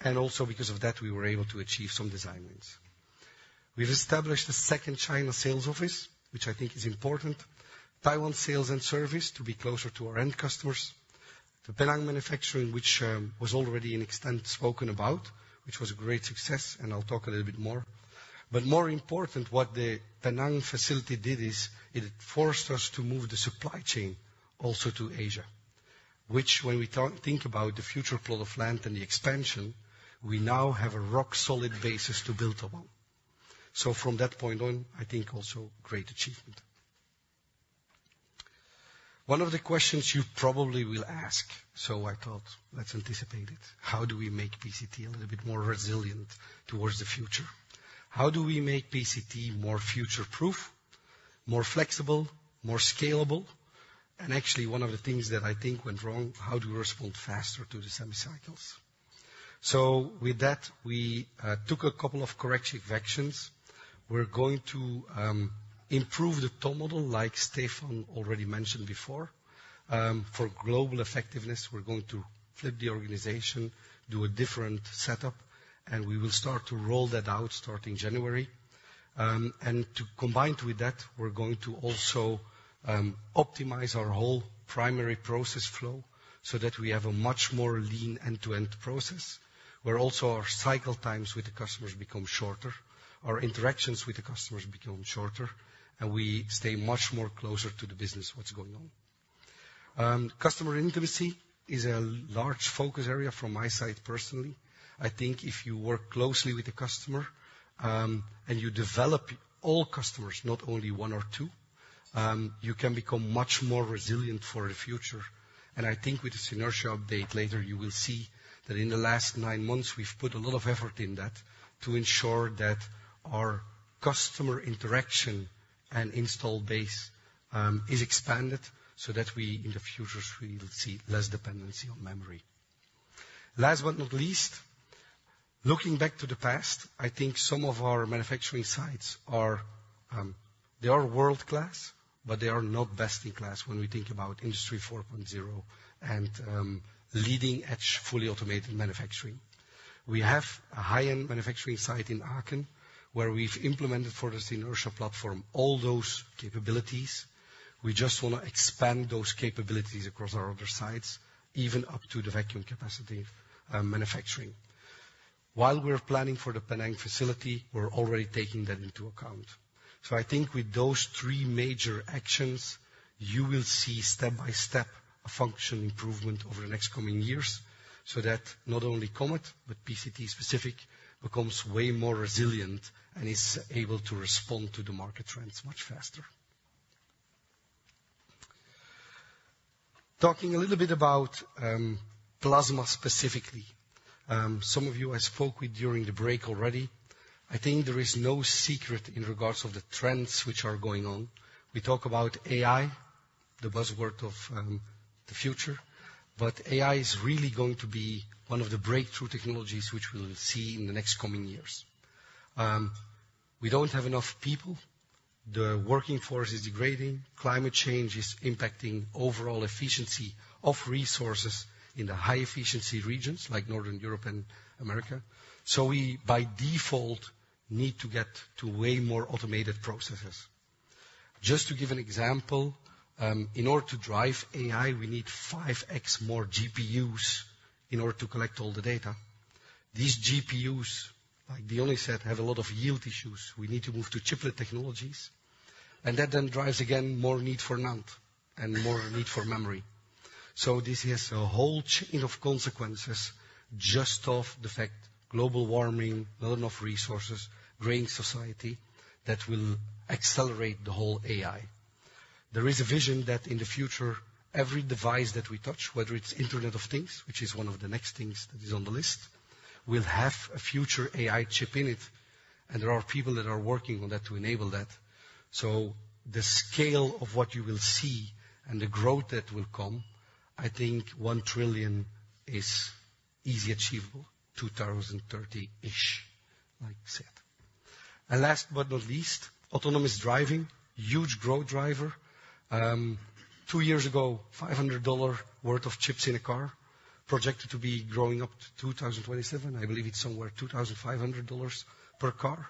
and also because of that, we were able to achieve some design wins. We've established a second China sales office, which I think is important. Taiwan sales and service to be closer to our end customers. The Penang manufacturing, which was already extensively spoken about, which was a great success, and I'll talk a little bit more. But more important, what the Penang facility did is it forced us to move the supply chain also to Asia, which when we think about the future plot of land and the expansion, we now have a rock-solid basis to build upon. So from that point on, I think also great achievement. One of the questions you probably will ask, so I thought, let's anticipate it: How do we make PCT a little bit more resilient towards the future? How do we make PCT more future-proof, more flexible, more scalable? And actually, one of the things that I think went wrong, how do we respond faster to the semi cycles? So with that, we took a couple of corrective actions. We're going to improve the top model, like Stephan already mentioned before. For global effectiveness, we're going to flip the organization, do a different setup, and we will start to roll that out starting January. And to combined with that, we're going to also optimize our whole primary process flow so that we have a much more lean end-to-end process, where also our cycle times with the customers become shorter, our interactions with the customers become shorter, and we stay much more closer to the business, what's going on. Customer intimacy is a large focus area from my side, personally. I think if you work closely with the customer, and you develop all customers, not only one or two, you can become much more resilient for the future. I think with the Synertia update later, you will see that in the last nine months, we've put a lot of effort in that to ensure that our customer interaction and install base is expanded so that we in the future, we will see less dependency on memory. Last but not least, looking back to the past, I think some of our manufacturing sites are, they are world-class, but they are not best in class when we think about Industry 4.0 and leading-edge, fully automated manufacturing. We have a high-end manufacturing site in Aachen, where we've implemented for the Synertia platform, all those capabilities. We just want to expand those capabilities across our other sites, even up to the vacuum capacity manufacturing. While we're planning for the Penang facility, we're already taking that into account. So I think with those three major actions, you will see step by step a function improvement over the next coming years, so that not only Comet, but PCT specific, becomes way more resilient and is able to respond to the market trends much faster. Talking a little bit about plasma specifically, some of you I spoke with during the break already. I think there is no secret in regards of the trends which are going on. We talk about AI, the buzzword of the future, but AI is really going to be one of the breakthrough technologies which we'll see in the next coming years. We don't have enough people. The working force is degrading. Climate change is impacting overall efficiency of resources in the high-efficiency regions, like Northern Europe and America, so we, by default, need to get to way more automated processes. Just to give an example, in order to drive AI, we need 5x more GPUs in order to collect all the data. These GPUs, like Dionys said, have a lot of yield issues. We need to move to chiplet technologies, and that then drives, again, more need for NAND and more need for memory. So this has a whole chain of consequences, just of the fact, global warming, not enough resources, graying society, that will accelerate the whole AI. There is a vision that in the future, every device that we touch, whether it's Internet of Things, which is one of the next things that is on the list, will have a future AI chip in it, and there are people that are working on that to enable that. So the scale of what you will see and the growth that will come, I think $1 trillion is easy achievable, 2030-ish, like I said. And last but not least, autonomous driving, huge growth driver. Two years ago, $500 worth of chips in a car, projected to be growing up to 2027. I believe it's somewhere $2,500 per car.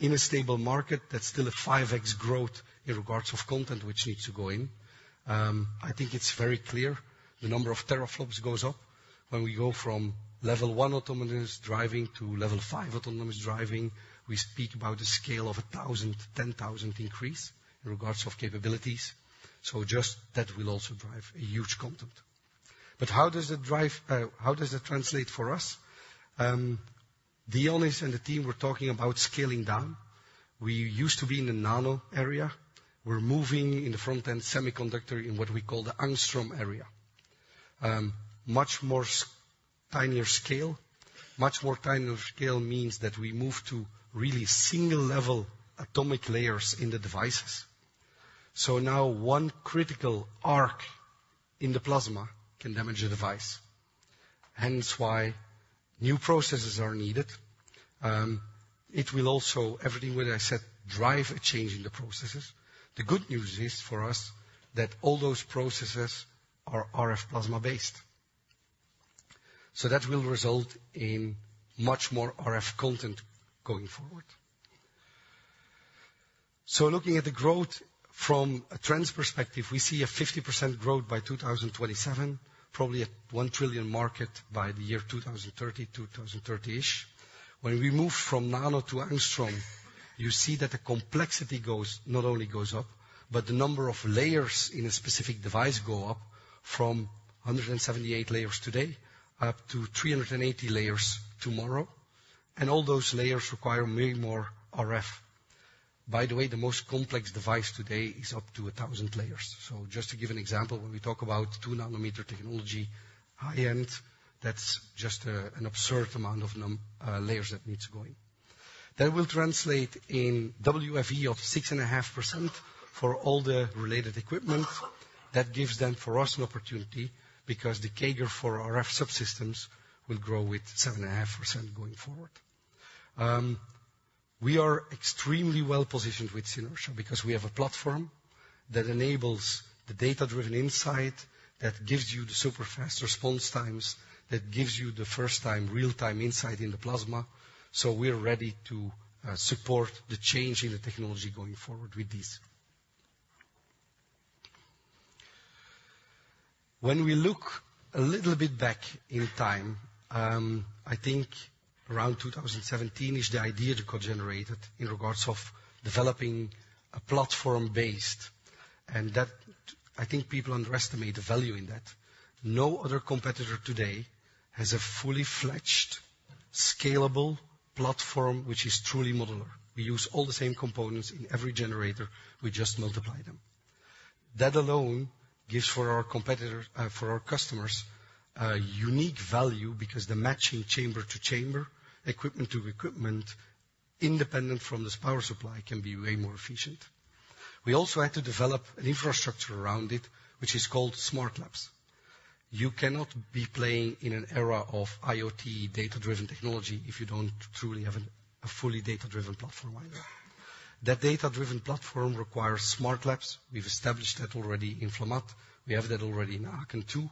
In a stable market, that's still a 5x growth in regards of content, which needs to go in. I think it's very clear the number of teraflops goes up when we go from Level 1 autonomous driving to Level 5 autonomous driving. We speak about a scale of 1,000-10,000 increase in regards of capabilities, so just that will also drive a huge content. But how does it drive, how does it translate for us? Dionys and the team were talking about scaling down. We used to be in the nano area. We're moving in the front-end semiconductor in what we call the Angstrom area. Much more tinier scale. Much more tinier scale means that we move to really single level atomic layers in the devices. So now one critical arc in the plasma can damage the device, hence why new processes are needed. It will also, everything what I said, drive a change in the processes. The good news is for us, that all those processes are RF plasma-based. So that will result in much more RF content going forward. So looking at the growth from a trends perspective, we see a 50% growth by 2027, probably a $1 trillion market by the year 2030, 2030-ish. When we move from nano to angstrom, you see that the complexity goes, not only goes up, but the number of layers in a specific device go up from 178 layers today, up to 380 layers tomorrow, and all those layers require way more RF. By the way, the most complex device today is up to 1,000 layers. So just to give an example, when we talk about 2 nm technology, high-end, that's just, an absurd amount of layers that needs to go in. That will translate in WFE of 6.5% for all the related equipment. That gives then for us an opportunity because the CAGR for RF subsystems will grow with 7.5% going forward. We are extremely well-positioned with Synertia because we have a platform that enables the data-driven insight, that gives you the super fast response times, that gives you the first time real-time insight in the plasma. So we're ready to support the change in the technology going forward with this. When we look a little bit back in time, I think around 2017-ish, the idea got generated in regards of developing a platform based, and that I think people underestimate the value in that. No other competitor today has a fully-fledged, scalable platform, which is truly modular. We use all the same components in every generator. We just multiply them. That alone gives for our competitor, for our customers, a unique value because the matching chamber to chamber, equipment to equipment, independent from this power supply, can be way more efficient. We also had to develop an infrastructure around it, which is called smartLAB. You cannot be playing in an era of IoT data-driven technology if you don't truly have a fully data-driven platform. That data-driven platform requires smart labs. We've established that already in Flamatt. We have that already in Aachen, too,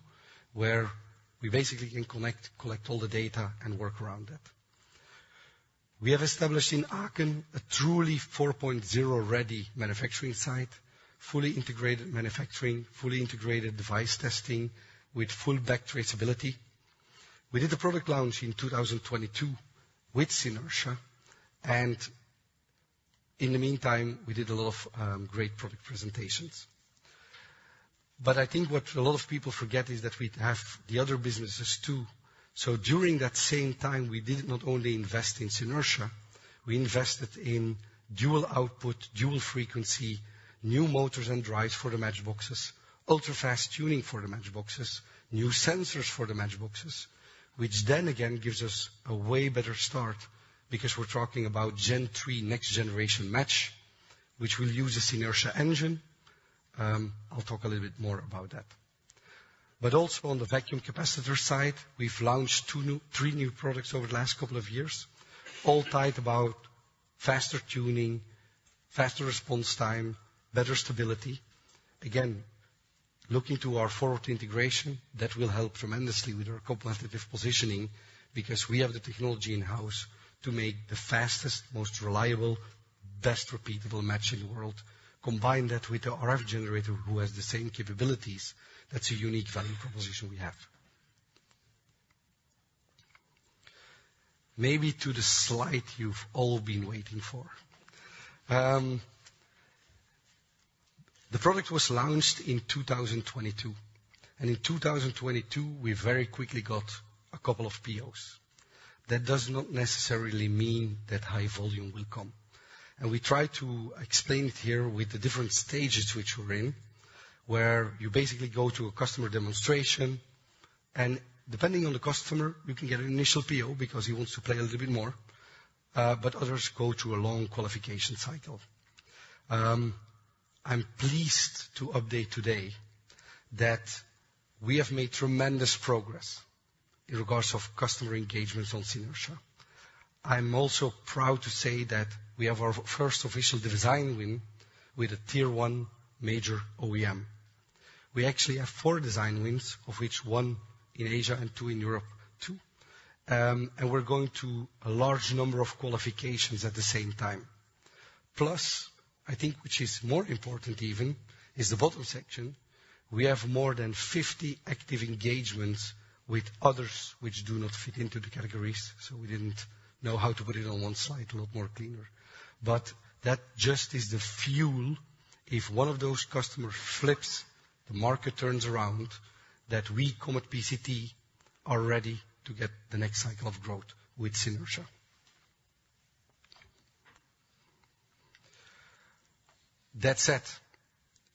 where we basically can connect, collect all the data and work around that. We have established in Aachen, a truly 4.0-ready manufacturing site, fully integrated manufacturing, fully integrated device testing with full back traceability. We did the product launch in 2022 with Synertia, and in the meantime, we did a lot of great product presentations. But I think what a lot of people forget is that we have the other businesses, too. So during that same time, we did not only invest in Synertia, we invested in dual output, dual frequency, new motors and drives for the matchboxes, ultra-fast tuning for the matchboxes, new sensors for the matchboxes, which then again gives us a way better start because we're talking about Gen 3 next generation match, which will use a Synertia engine. I'll talk a little bit more about that. But also on the vacuum capacitor side, we've launched two new—three new products over the last couple of years, all tied about faster tuning, faster response time, better stability. Again, looking to our forward integration, that will help tremendously with our competitive positioning because we have the technology in-house to make the fastest, most reliable, best repeatable match in the world. Combine that with the RF generator, who has the same capabilities, that's a unique value proposition we have. Maybe to the slide you've all been waiting for. The product was launched in 2022, and in 2022, we very quickly got a couple of POs. That does not necessarily mean that high volume will come, and we try to explain it here with the different stages which we're in, where you basically go to a customer demonstration, and depending on the customer, you can get an initial PO because he wants to play a little bit more, but others go through a long qualification cycle. I'm pleased to update today that we have made tremendous progress in regards of customer engagements on Synertia. I'm also proud to say that we have our first official design win with a tier one major OEM. We actually have four design wins, of which one in Asia and two in Europe, too. And we're going to a large number of qualifications at the same time. Plus, I think, which is more important even, is the bottom section. We have more than 50 active engagements with others, which do not fit into the categories, so we didn't know how to put it on one slide, a lot more cleaner. But that just is the fuel. If one of those customers flips, the market turns around, that we come at PCT, are ready to get the next cycle of growth with Synertia. That said,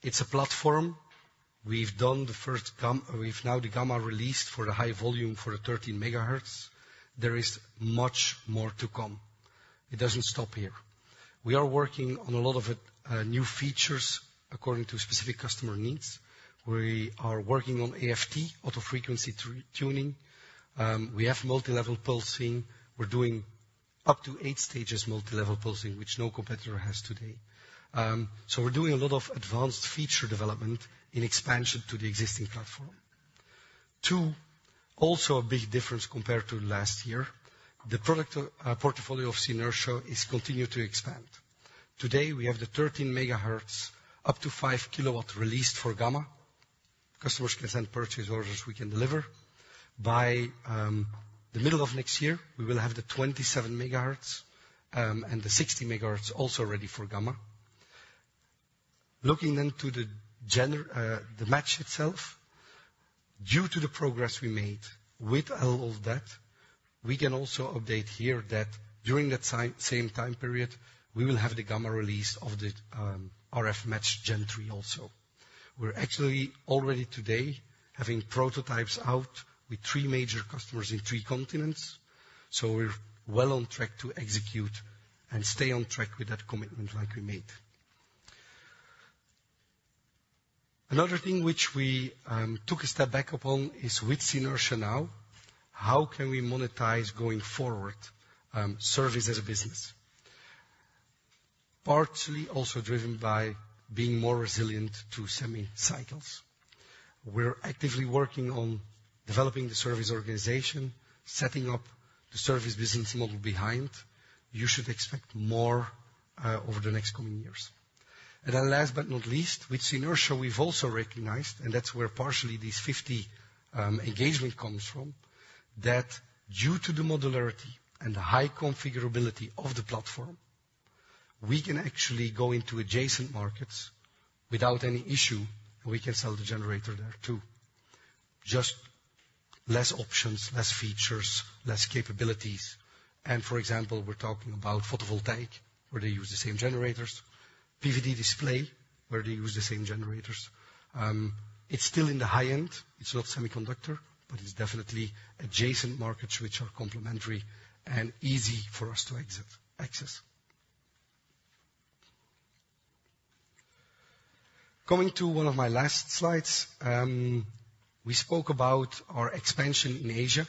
it's a platform. We've done the first gamma... We've now the gamma released for the high volume, for the 13 MHz. There is much more to come. It doesn't stop here. We are working on a lot of new features according to specific customer needs. We are working on AFT, auto frequency tuning. We have multilevel pulsing. We're doing up to eight stages multilevel pulsing, which no competitor has today. So we're doing a lot of advanced feature development in expansion to the existing platform. Too, also a big difference compared to last year, the product portfolio of Synertia is continued to expand. Today, we have the 13 MHz, up to 5 kW released for gamma. Customers can send purchase orders, we can deliver. By the middle of next year, we will have the 27 MHz, and the 60 MHz also ready for gamma. Looking then to the match itself. Due to the progress we made with all of that, we can also update here that during that same time period, we will have the gamma release of the RF match Gen 3 also. We're actually already today having prototypes out with three major customers in three continents, so we're well on track to execute and stay on track with that commitment like we made. Another thing which we took a step back upon is with Synertia now, how can we monetize going forward, service as a business? Partly also driven by being more resilient to semi cycles. We're actively working on developing the service organization, setting up the service business model behind. You should expect more over the next coming years. And then last but not least, with Synertia, we've also recognized, and that's where partially this 50 engagement comes from, that due to the modularity and the high configurability of the platform, we can actually go into adjacent markets without any issue, and we can sell the generator there, too. Just less options, less features, less capabilities, and for example, we're talking about photovoltaic, where they use the same generators, PVD display, where they use the same generators. It's still in the high end. It's not semiconductor, but it's definitely adjacent markets, which are complementary and easy for us to exit, access. Going to one of my last slides, we spoke about our expansion in Asia.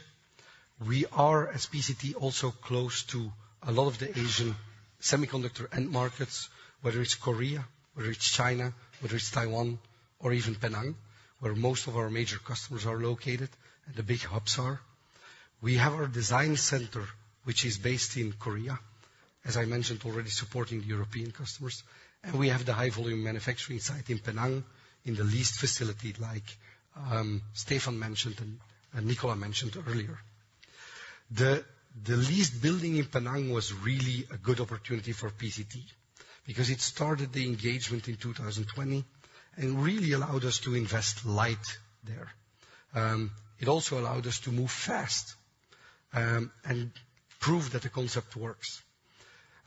We are, as PCT, also close to a lot of the Asian semiconductor end markets, whether it's Korea, whether it's China, whether it's Taiwan, or even Penang, where most of our major customers are located and the big hubs are. We have our design center, which is based in Korea, as I mentioned already, supporting the European customers. And we have the high-volume manufacturing site in Penang, in the leased facility, like, Stephan mentioned and Nicola mentioned earlier. The leased building in Penang was really a good opportunity for PCT, because it started the engagement in 2020, and really allowed us to invest lightly there. It also allowed us to move fast, and prove that the concept works.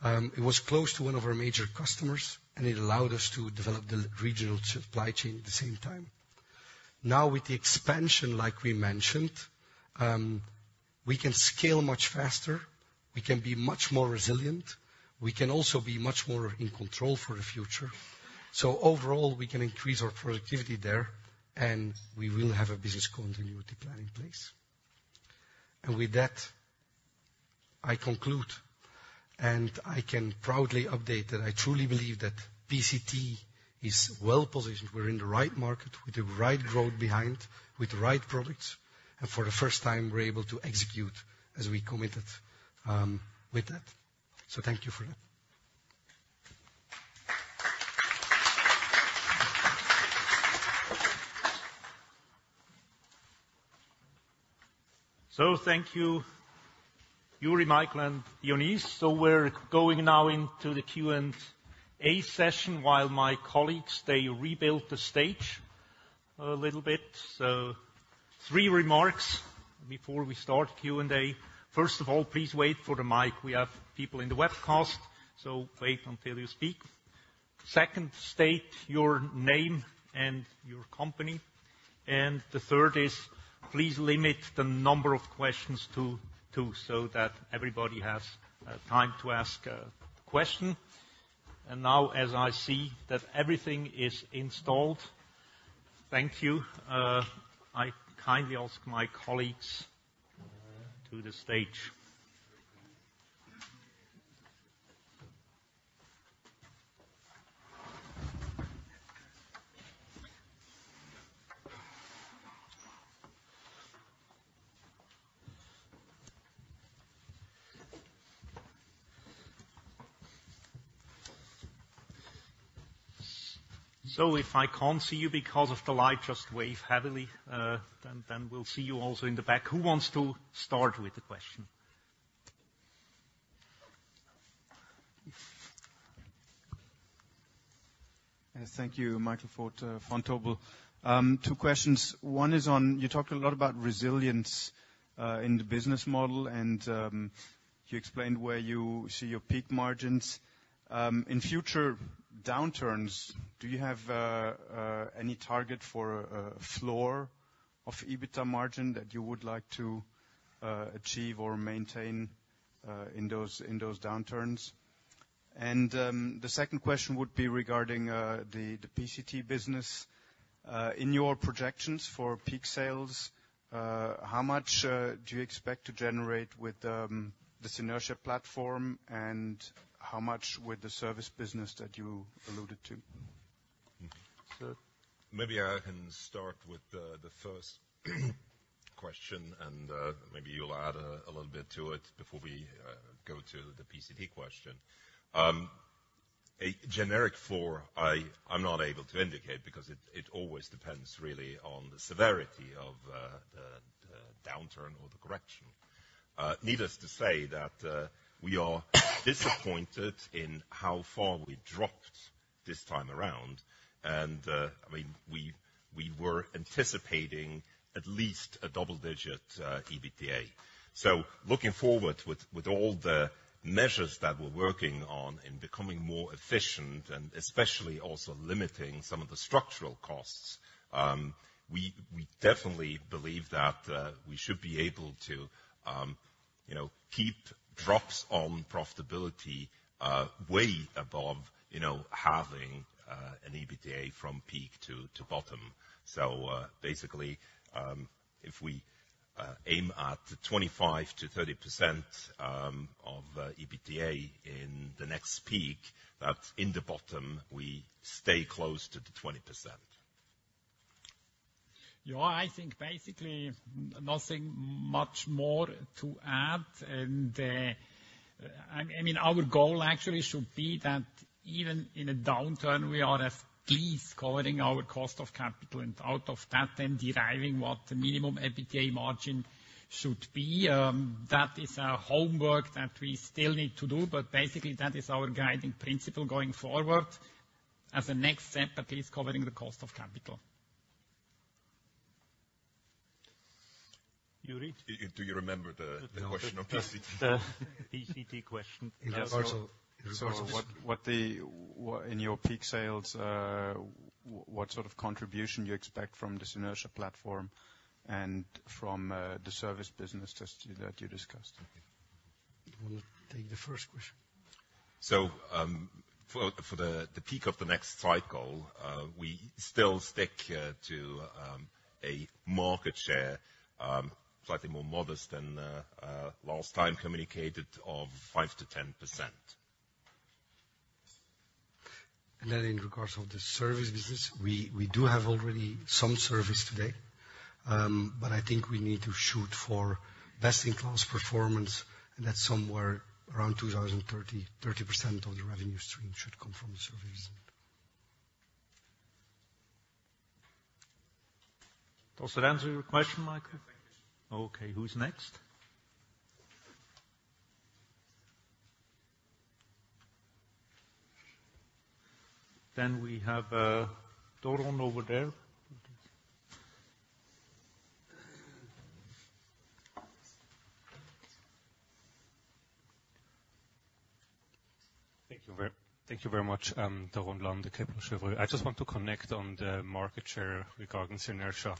It was close to one of our major customers, and it allowed us to develop the regional supply chain at the same time. Now, with the expansion, like we mentioned, we can scale much faster, we can be much more resilient, we can also be much more in control for the future. So overall, we can increase our productivity there, and we will have a business continuity plan in place. And with that, I conclude, and I can proudly update that I truly believe that PCT is well positioned. We're in the right market, with the right growth behind, with the right products, and for the first time, we're able to execute as we committed, with that. So thank you for that. Thank you, Joeri, Michael, and Dionys. We're going now into the Q&A session while my colleagues, they rebuild the stage a little bit. Three remarks before we start Q&A. First of all, please wait for the mic. We have people in the webcast, so wait until you speak. Second, state your name and your company. The third is, please limit the number of questions to two, so that everybody has time to ask a question. Now, as I see that everything is installed, thank you. I kindly ask my colleagues to the stage. If I can't see you because of the light, just wave heavily, then we'll see you also in the back. Who wants to start with a question? Thank you. Michael Foeth, Vontobel. Two questions. One is on, you talked a lot about resilience in the business model, and you explained where you see your peak margins. In future downturns, do you have any target for a floor of EBITDA margin that you would like to achieve or maintain in those downturns? And the second question would be regarding the PCT business. In your projections for peak sales, how much do you expect to generate with this Synertia platform, and how much with the service business that you alluded to? Sir. Maybe I can start with the first question, and maybe you'll add a little bit to it before we go to the PCT question. A generic floor, I'm not able to indicate, because it always depends really on the severity of the downturn or the correction. Needless to say, we are disappointed in how far we dropped this time around, and I mean, we were anticipating at least a double-digit EBITDA. So looking forward, with all the measures that we're working on in becoming more efficient, and especially also limiting some of the structural costs, we definitely believe that we should be able to, you know, keep drops on profitability way above, you know, halving an EBITDA from peak to bottom. So, basically, if we aim at 25%-30% of EBITDA in the next peak, that in the bottom, we stay close to the 20%. Yeah, I think basically nothing much more to add. And, I mean, our goal actually should be that even in a downturn, we are at least covering our cost of capital, and out of that, then deriving what the minimum EBITDA margin should be. That is our homework that we still need to do, but basically, that is our guiding principle going forward. As a next step, at least covering the cost of capital. Joeri? Do you remember the question of PCT? The PCT question. Also, so- In your peak sales, what sort of contribution do you expect from the Synertia platform and from the service business just that you discussed? I will take the first question. For the peak of the next cycle, we still stick to a market share slightly more modest than last time communicated, of 5%-10%. Then in regards of the service business, we do have already some service today, but I think we need to shoot for best-in-class performance, and that's somewhere around 2030, 30% of the revenue stream should come from the service. Does that answer your question, Michael? Thank you. Okay, who's next? Then we have, Doron over there. Thank you very, thank you very much, Doron Lande, Kepler Cheuvreux. I just want to connect on the market share regarding Synertia.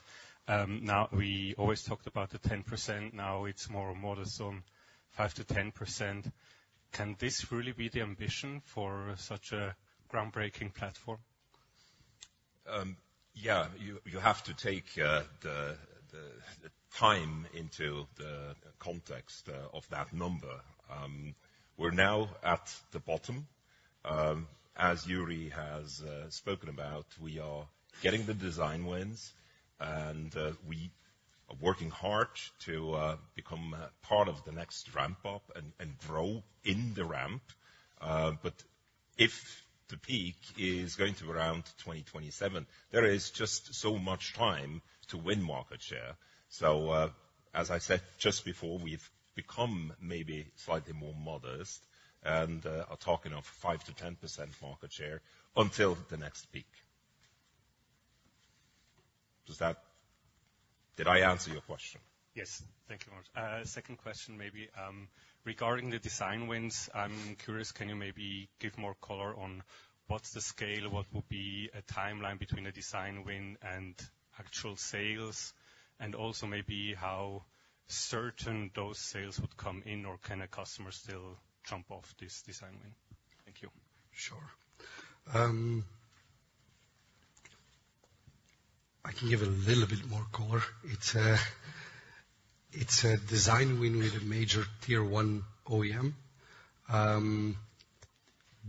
Now we always talked about the 10%, now it's more and more or so, 5%-10%. Can this really be the ambition for such a groundbreaking platform? Yeah, you have to take the time into the context of that number. We're now at the bottom. As Joeri has spoken about, we are getting the design wins, and we are working hard to become part of the next ramp up and grow in the ramp. But if the peak is going to be around 2027, there is just so much time to win market share. So, as I said just before, we've become maybe slightly more modest and are talking of 5%-10% market share until the next peak. Does that-- Did I answer your question? Yes. Thank you very much. Second question, maybe. Regarding the design wins, I'm curious, can you maybe give more color on what's the scale? What would be a timeline between a design win and actual sales? And also maybe how certain those sales would come in, or can a customer still jump off this design win? Thank you. Sure. I can give a little bit more color. It's a, it's a design win with a major Tier 1 OEM.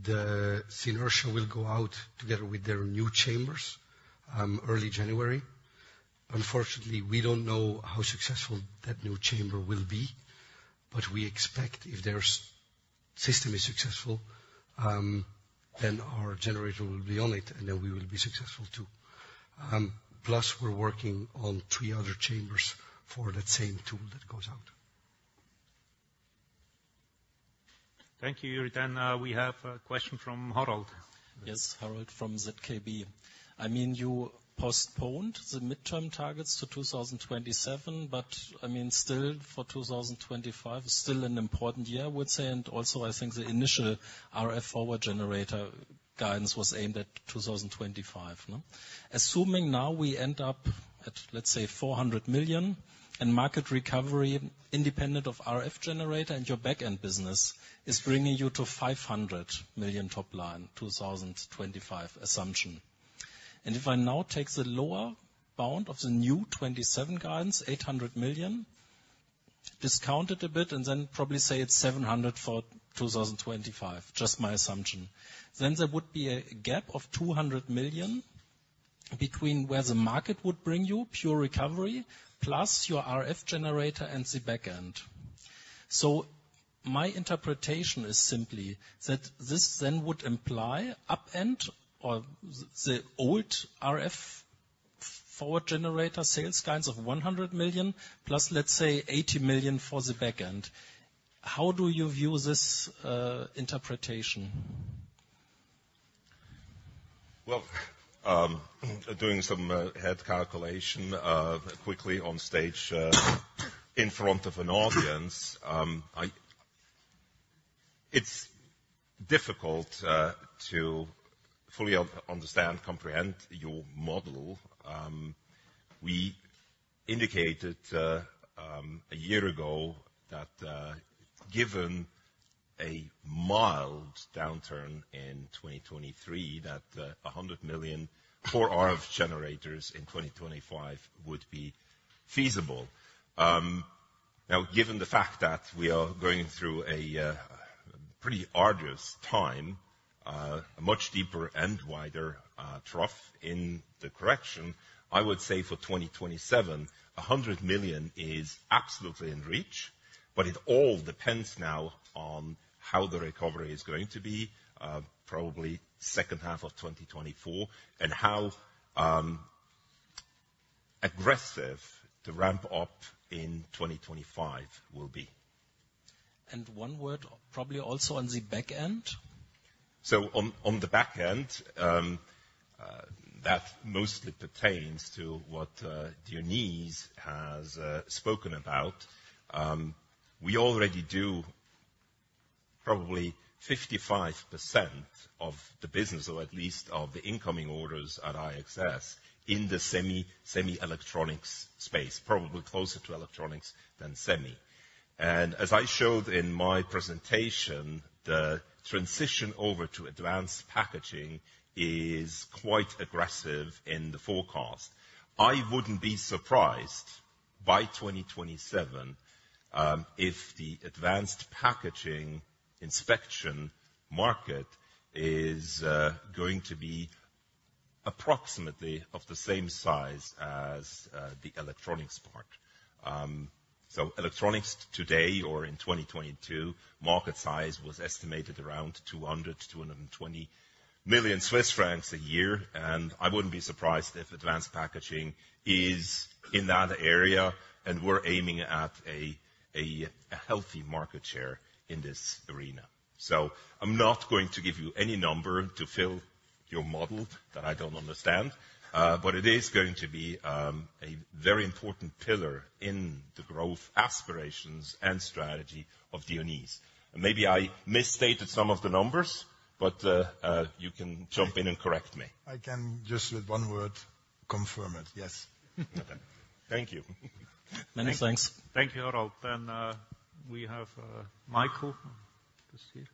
The Synertia will go out together with their new chambers, early January. Unfortunately, we don't know how successful that new chamber will be, but we expect if their system is successful, then our generator will be on it, and then we will be successful too. Plus, we're working on three other chambers for that same tool that goes out. Thank you, Joeri. Then, we have a question from Harald. Yes, Harald from ZKB. I mean, you postponed the midterm targets to 2027, but, I mean, still, for 2025 is still an important year, I would say. And also, I think the initial RF power generator guidance was aimed at 2025, no? Assuming now we end up at, let's say, 400 million, and market recovery, independent of RF generator and your back-end business, is bringing you to 500 million top line, 2025 assumption. And if I now take the lower bound of the new 2027 guidance, 800 million, discount it a bit, and then probably say it's 700 million for 2025, just my assumption. Then there would be a gap of 200 million between where the market would bring you, pure recovery, plus your RF generator and the back end. So my interpretation is simply that this then would imply upending the old RF power generator sales guidance of 100 million, plus, let's say, 80 million for the back end. How do you view this interpretation? Well, doing some head calculation quickly on stage in front of an audience, it's difficult to fully understand, comprehend your model. We indicated a year ago that, given a mild downturn in 2023, that 100 million for RF generators in 2025 would be feasible. Now, given the fact that we are going through a pretty arduous time, a much deeper and wider trough in the correction, I would say for 2027, 100 million is absolutely in reach, but it all depends now on how the recovery is going to be, probably second half of 2024, and how aggressive the ramp up in 2025 will be. One word, probably also on the back end? On the back end, that mostly pertains to what Dionys has spoken about. We already do probably 55% of the business, or at least of the incoming orders at IXS, in the semi-electronics space, probably closer to electronics than semi. And as I showed in my presentation, the transition over to advanced packaging is quite aggressive in the forecast. I wouldn't be surprised by 2027 if the advanced packaging inspection market is going to be approximately of the same size as the electronics part. Electronics today, or in 2022, market size was estimated around 200 million-220 million Swiss francs a year, and I wouldn't be surprised if advanced packaging is in that area, and we're aiming at a healthy market share in this arena. So I'm not going to give you any number to fill your model that I don't understand, but it is going to be a very important pillar in the growth, aspirations, and strategy of Dionys. And maybe I misstated some of the numbers, but you can jump in and correct me. I can just with one word confirm it. Yes. Okay. Thank you. Many thanks. Thank you, Harold. Then, we have Michael, who's here.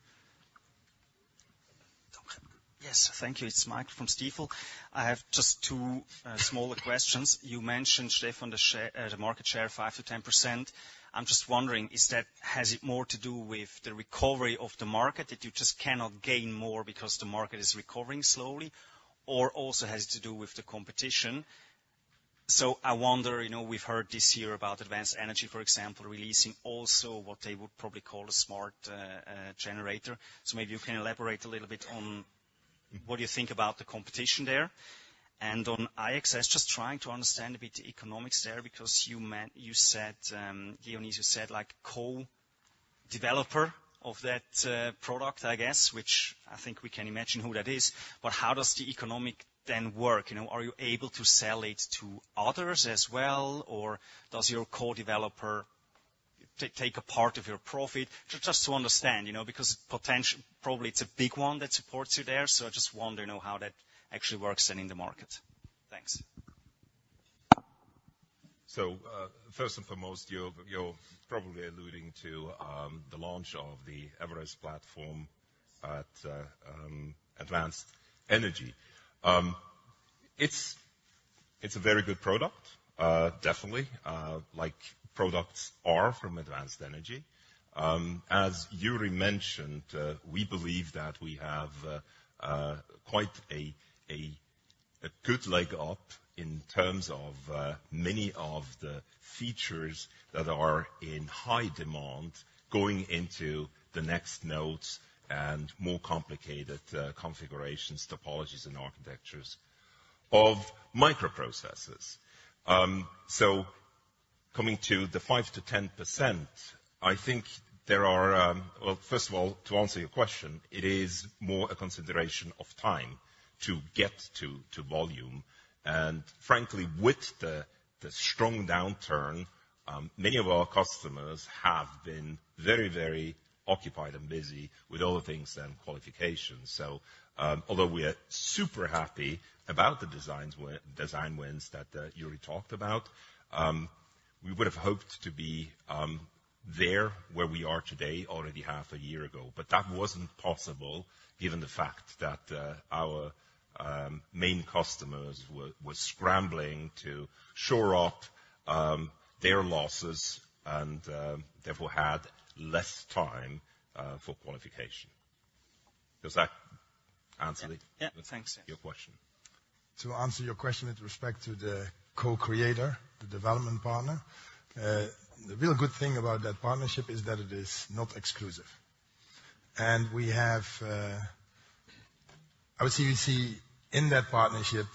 Yes, thank you. It's Michael from Stifel. I have just two smaller questions. You mentioned, Stephan, the share, the market share, 5%-10%. I'm just wondering, has it more to do with the recovery of the market, that you just cannot gain more because the market is recovering slowly, or also has it to do with the competition? So I wonder, you know, we've heard this year about Advanced Energy, for example, releasing also what they would probably call a smart generator. So maybe you can elaborate a little bit on what you think about the competition there. And on IXS, just trying to understand a bit the economics there, because you said, Dionys, like, co-developer of that product, I guess, which I think we can imagine who that is. But how does the economic then work? You know, are you able to sell it to others as well, or does your co-developer take a part of your profit? Just, just to understand, you know, because probably it's a big one that supports you there, so I just want to know how that actually works then in the market. Thanks. So, first and foremost, you're probably alluding to the launch of the eVerest platform at Advanced Energy. It's a very good product, definitely, like products are from Advanced Energy. As Joeri mentioned, we believe that we have quite a good leg up in terms of many of the features that are in high demand going into the next nodes and more complicated configurations, topologies, and architectures of microprocessors. So coming to the 5%-10%, I think there are... Well, first of all, to answer your question, it is more a consideration of time to get to volume. And frankly, with the strong downturn, many of our customers have been very, very occupied and busy with other things than qualification. So, although we are super happy about the design wins that Joeri talked about, we would have hoped to be there, where we are today, already half a year ago, but that wasn't possible given the fact that our main customers were scrambling to shore up their losses and therefore had less time for qualification. Does that answer it? Yeah. Thanks. Your question. To answer your question with respect to the co-creator, the development partner, the real good thing about that partnership is that it is not exclusive. And we have, I would say we see in that partnership,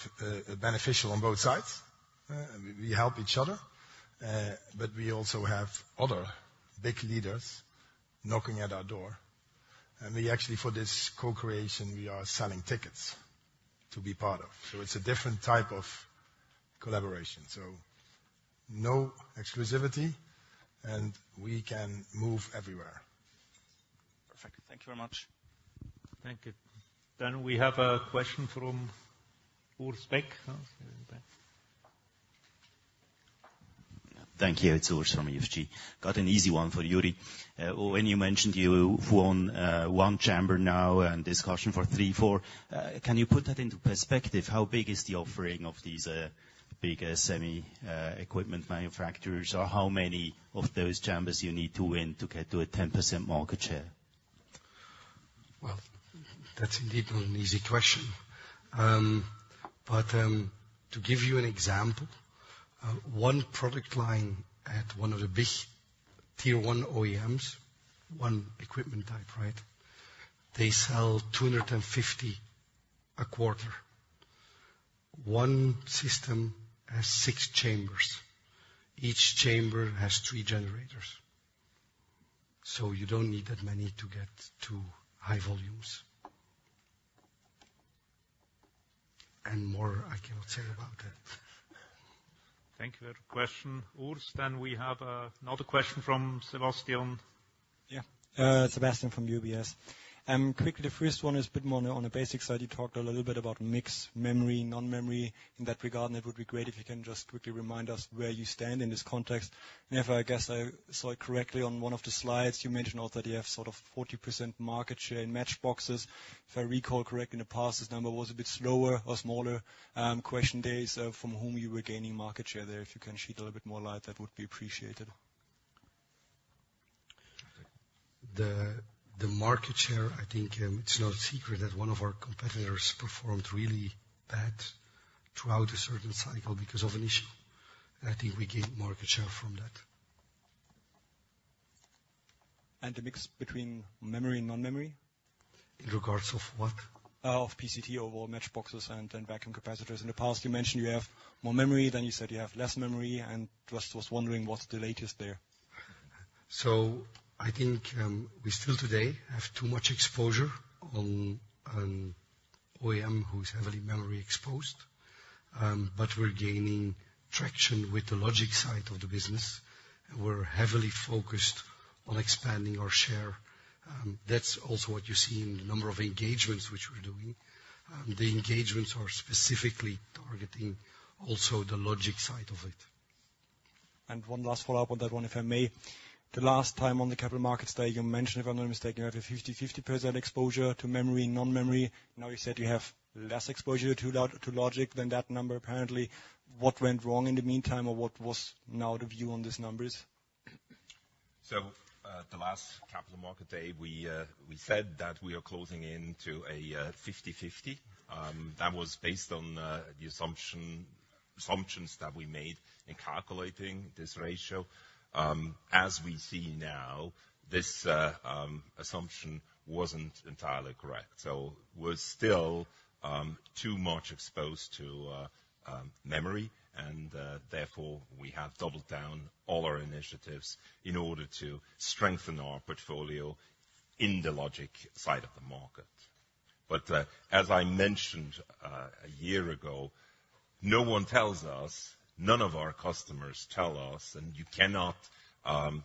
beneficial on both sides. We, we help each other, but we also have other big leaders knocking at our door. And we actually, for this co-creation, we are selling tickets to be part of. So it's a different type of collaboration, so no exclusivity, and we can move everywhere. Perfect. Thank you very much. Thank you. Then we have a question from Urs Beck. Thank you. It's Urs from EFG. Got an easy one for Joeri. When you mentioned you won one chamber now and discussion for three, four, can you put that into perspective? How big is the offering of these big semi equipment manufacturers, or how many of those chambers you need to win to get to a 10% market share? Well, that's indeed not an easy question. But, to give you an example, one product line at one of the big tier one OEMs, one equipment type, right? They sell 250 a quarter. One system has six chambers. Each chamber has three generators. So you don't need that many to get to high volumes. And more, I cannot say about it. Thank you for the question, Urs. Then we have another question from Sebastian. Yeah, Sebastian from UBS. Quickly, the first one is a bit more on a basic side. You talked a little bit about mix, memory, non-memory. In that regard, it would be great if you can just quickly remind us where you stand in this context? And if I guess I saw it correctly on one of the slides, you mentioned also that you have sort of 40% market share in matchboxes. If I recall correctly, in the past, this number was a bit slower or smaller. Question there is, from whom you were gaining market share there? If you can shed a little bit more light, that would be appreciated. The market share, I think, it's no secret that one of our competitors performed really bad throughout a certain cycle because of an issue. I think we gained market share from that. The mix between memory and non-memory? In regards of what? Of PCT overall matchboxes and vacuum capacitors. In the past, you mentioned you have more memory, then you said you have less memory, and just was wondering what's the latest there? I think we still today have too much exposure on an OEM who is heavily memory exposed. But we're gaining traction with the logic side of the business, and we're heavily focused on expanding our share. That's also what you see in the number of engagements which we're doing. The engagements are specifically targeting also the logic side of it. One last follow-up on that one, if I may. The last time on the capital market stage, you mentioned, if I'm not mistaken, you have a 50/50 exposure to memory and non-memory. Now you said you have less exposure to logic than that number, apparently. What went wrong in the meantime, or what was now the view on these numbers? So, the last Capital Markets Day, we said that we are closing in to a 50/50. That was based on the assumption, assumptions that we made in calculating this ratio. As we see now, this assumption wasn't entirely correct. So we're still too much exposed to memory, and therefore, we have doubled down all our initiatives in order to strengthen our portfolio in the logic side of the market. But, as I mentioned, a year ago, no one tells us, none of our customers tell us, and you cannot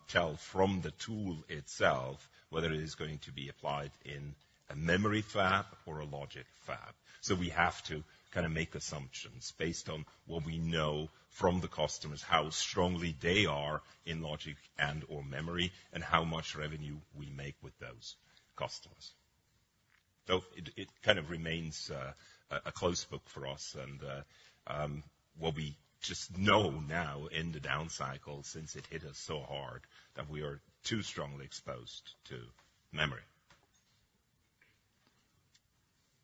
tell from the tool itself whether it is going to be applied in a memory fab or a logic fab. So we have to kinda make assumptions based on what we know from the customers, how strongly they are in logic and/or memory, and how much revenue we make with those customers. So it kind of remains a close book for us, and what we just know now in the down cycle, since it hit us so hard, that we are too strongly exposed to memory.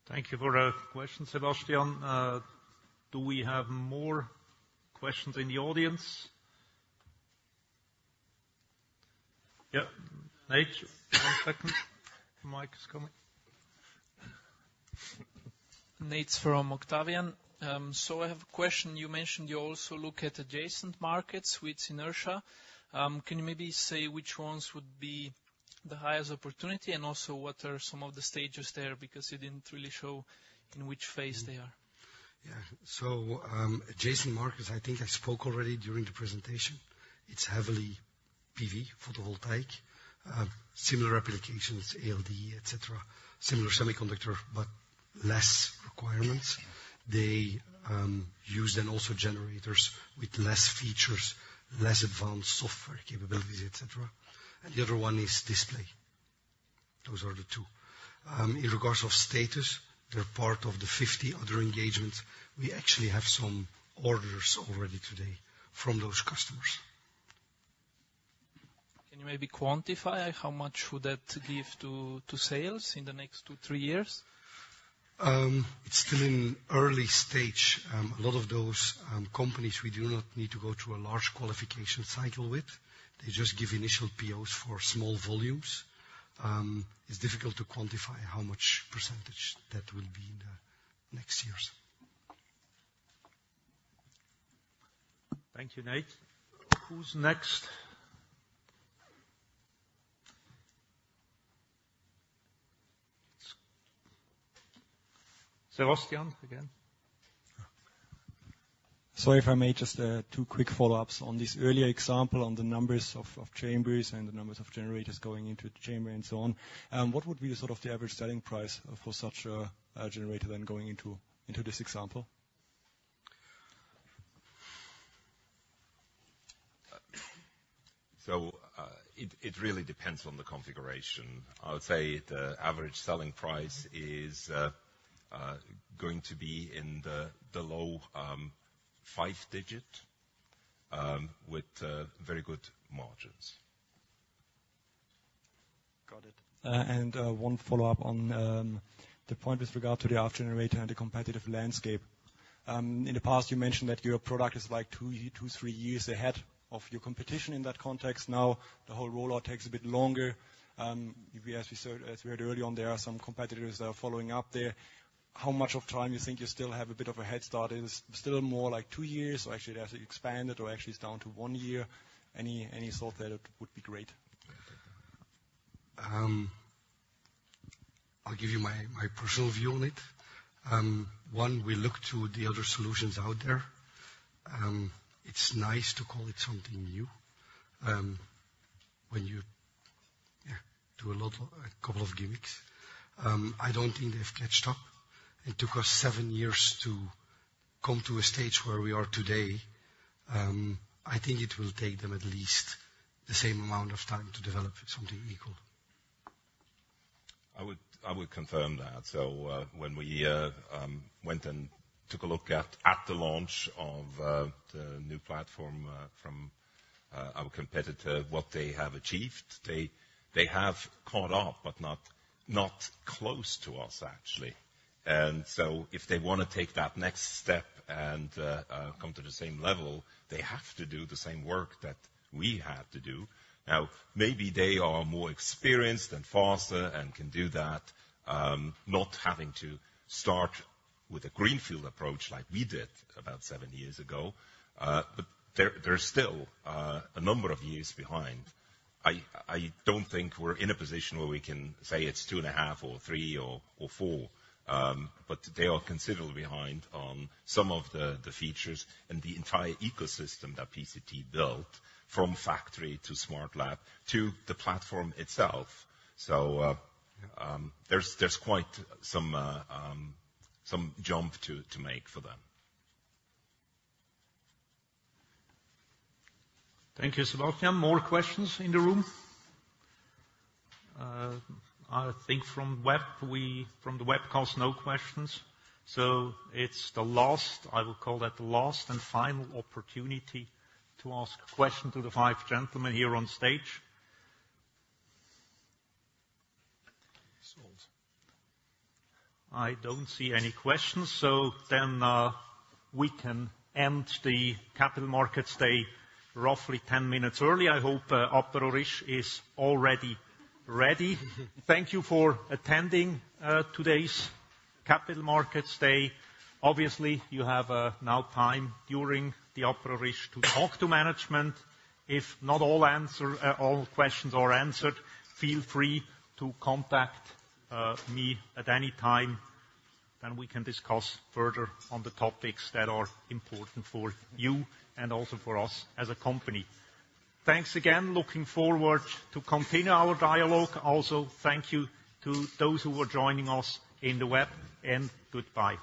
Thank you for your question, Sebastian. Do we have more questions in the audience? Yeah, Nate, one second. The mic is coming. Nate from Octavian. So I have a question. You mentioned you also look at adjacent markets with Synertia. Can you maybe say which ones would be the highest opportunity? And also, what are some of the stages there? Because you didn't really show in which phase they are. Yeah. So, adjacent markets, I think I spoke already during the presentation. It's heavily PV, photovoltaic. Similar applications, ALD, et cetera. Similar semiconductor, but less requirements. They use then also generators with less features, less advanced software capabilities, et cetera. And the other one is display. Those are the two. In regards of status, they're part of the 50 other engagements. We actually have some orders already today from those customers. Can you maybe quantify how much would that give to, to sales in the next two, three years? It's still in early stage. A lot of those companies, we do not need to go through a large qualification cycle with. They just give initial POs for small volumes. It's difficult to quantify how much percentage that will be in the next years. Thank you, Nate. Who's next? Sebastian, again. Sorry, if I may, just two quick follow-ups on this earlier example, on the numbers of chambers and the numbers of generators going into the chamber and so on. What would be the sort of the average selling price for such a generator then, going into this example? So, it really depends on the configuration. I would say the average selling price is going to be in the low five-digit, with very good margins. Got it. And one follow-up on the point with regard to the RF generator and the competitive landscape. In the past, you mentioned that your product is like two-three years ahead of your competition in that context. Now, the whole rollout takes a bit longer. As we saw, as we heard earlier on, there are some competitors that are following up there. How much time do you think you still have a bit of a head start? Is it still more like two years, or actually has it expanded, or actually it's down to one year? Any thought there would be great. I'll give you my personal view on it. One, we look to the other solutions out there. It's nice to call it something new when you do a lot, a couple of gimmicks. I don't think they've caught up. It took us seven years to come to a stage where we are today. I think it will take them at least the same amount of time to develop something equal. I would confirm that. So, when we went and took a look at the launch of the new platform from our competitor, what they have achieved, they have caught up, but not close to us, actually. And so if they wanna take that next step and come to the same level, they have to do the same work that we had to do. Now, maybe they are more experienced and faster and can do that, not having to start with a greenfield approach like we did about seven years ago. But they're still a number of years behind. I don't think we're in a position where we can say it's 2.5 or three or four, but they are considerably behind on some of the features and the entire ecosystem that PCT built, from factory to smart lab to the platform itself. So, there's quite some jump to make for them. Thank you, Sebastian. More questions in the room? I think from the webcast, no questions. So it's the last, I will call that the last and final opportunity to ask a question to the five gentlemen here on stage. So I don't see any questions, so then, we can end the Capital Markets Day roughly 10 minutes early. I hope aperitif is already ready. Thank you for attending, today's Capital Markets Day. Obviously, you have, now time during the aperitif to talk to management. If not all answer, all questions are answered, feel free to contact, me at any time, and we can discuss further on the topics that are important for you and also for us as a company. Thanks again, looking forward to continue our dialogue. Also, thank you to those who were joining us on the web, and goodbye.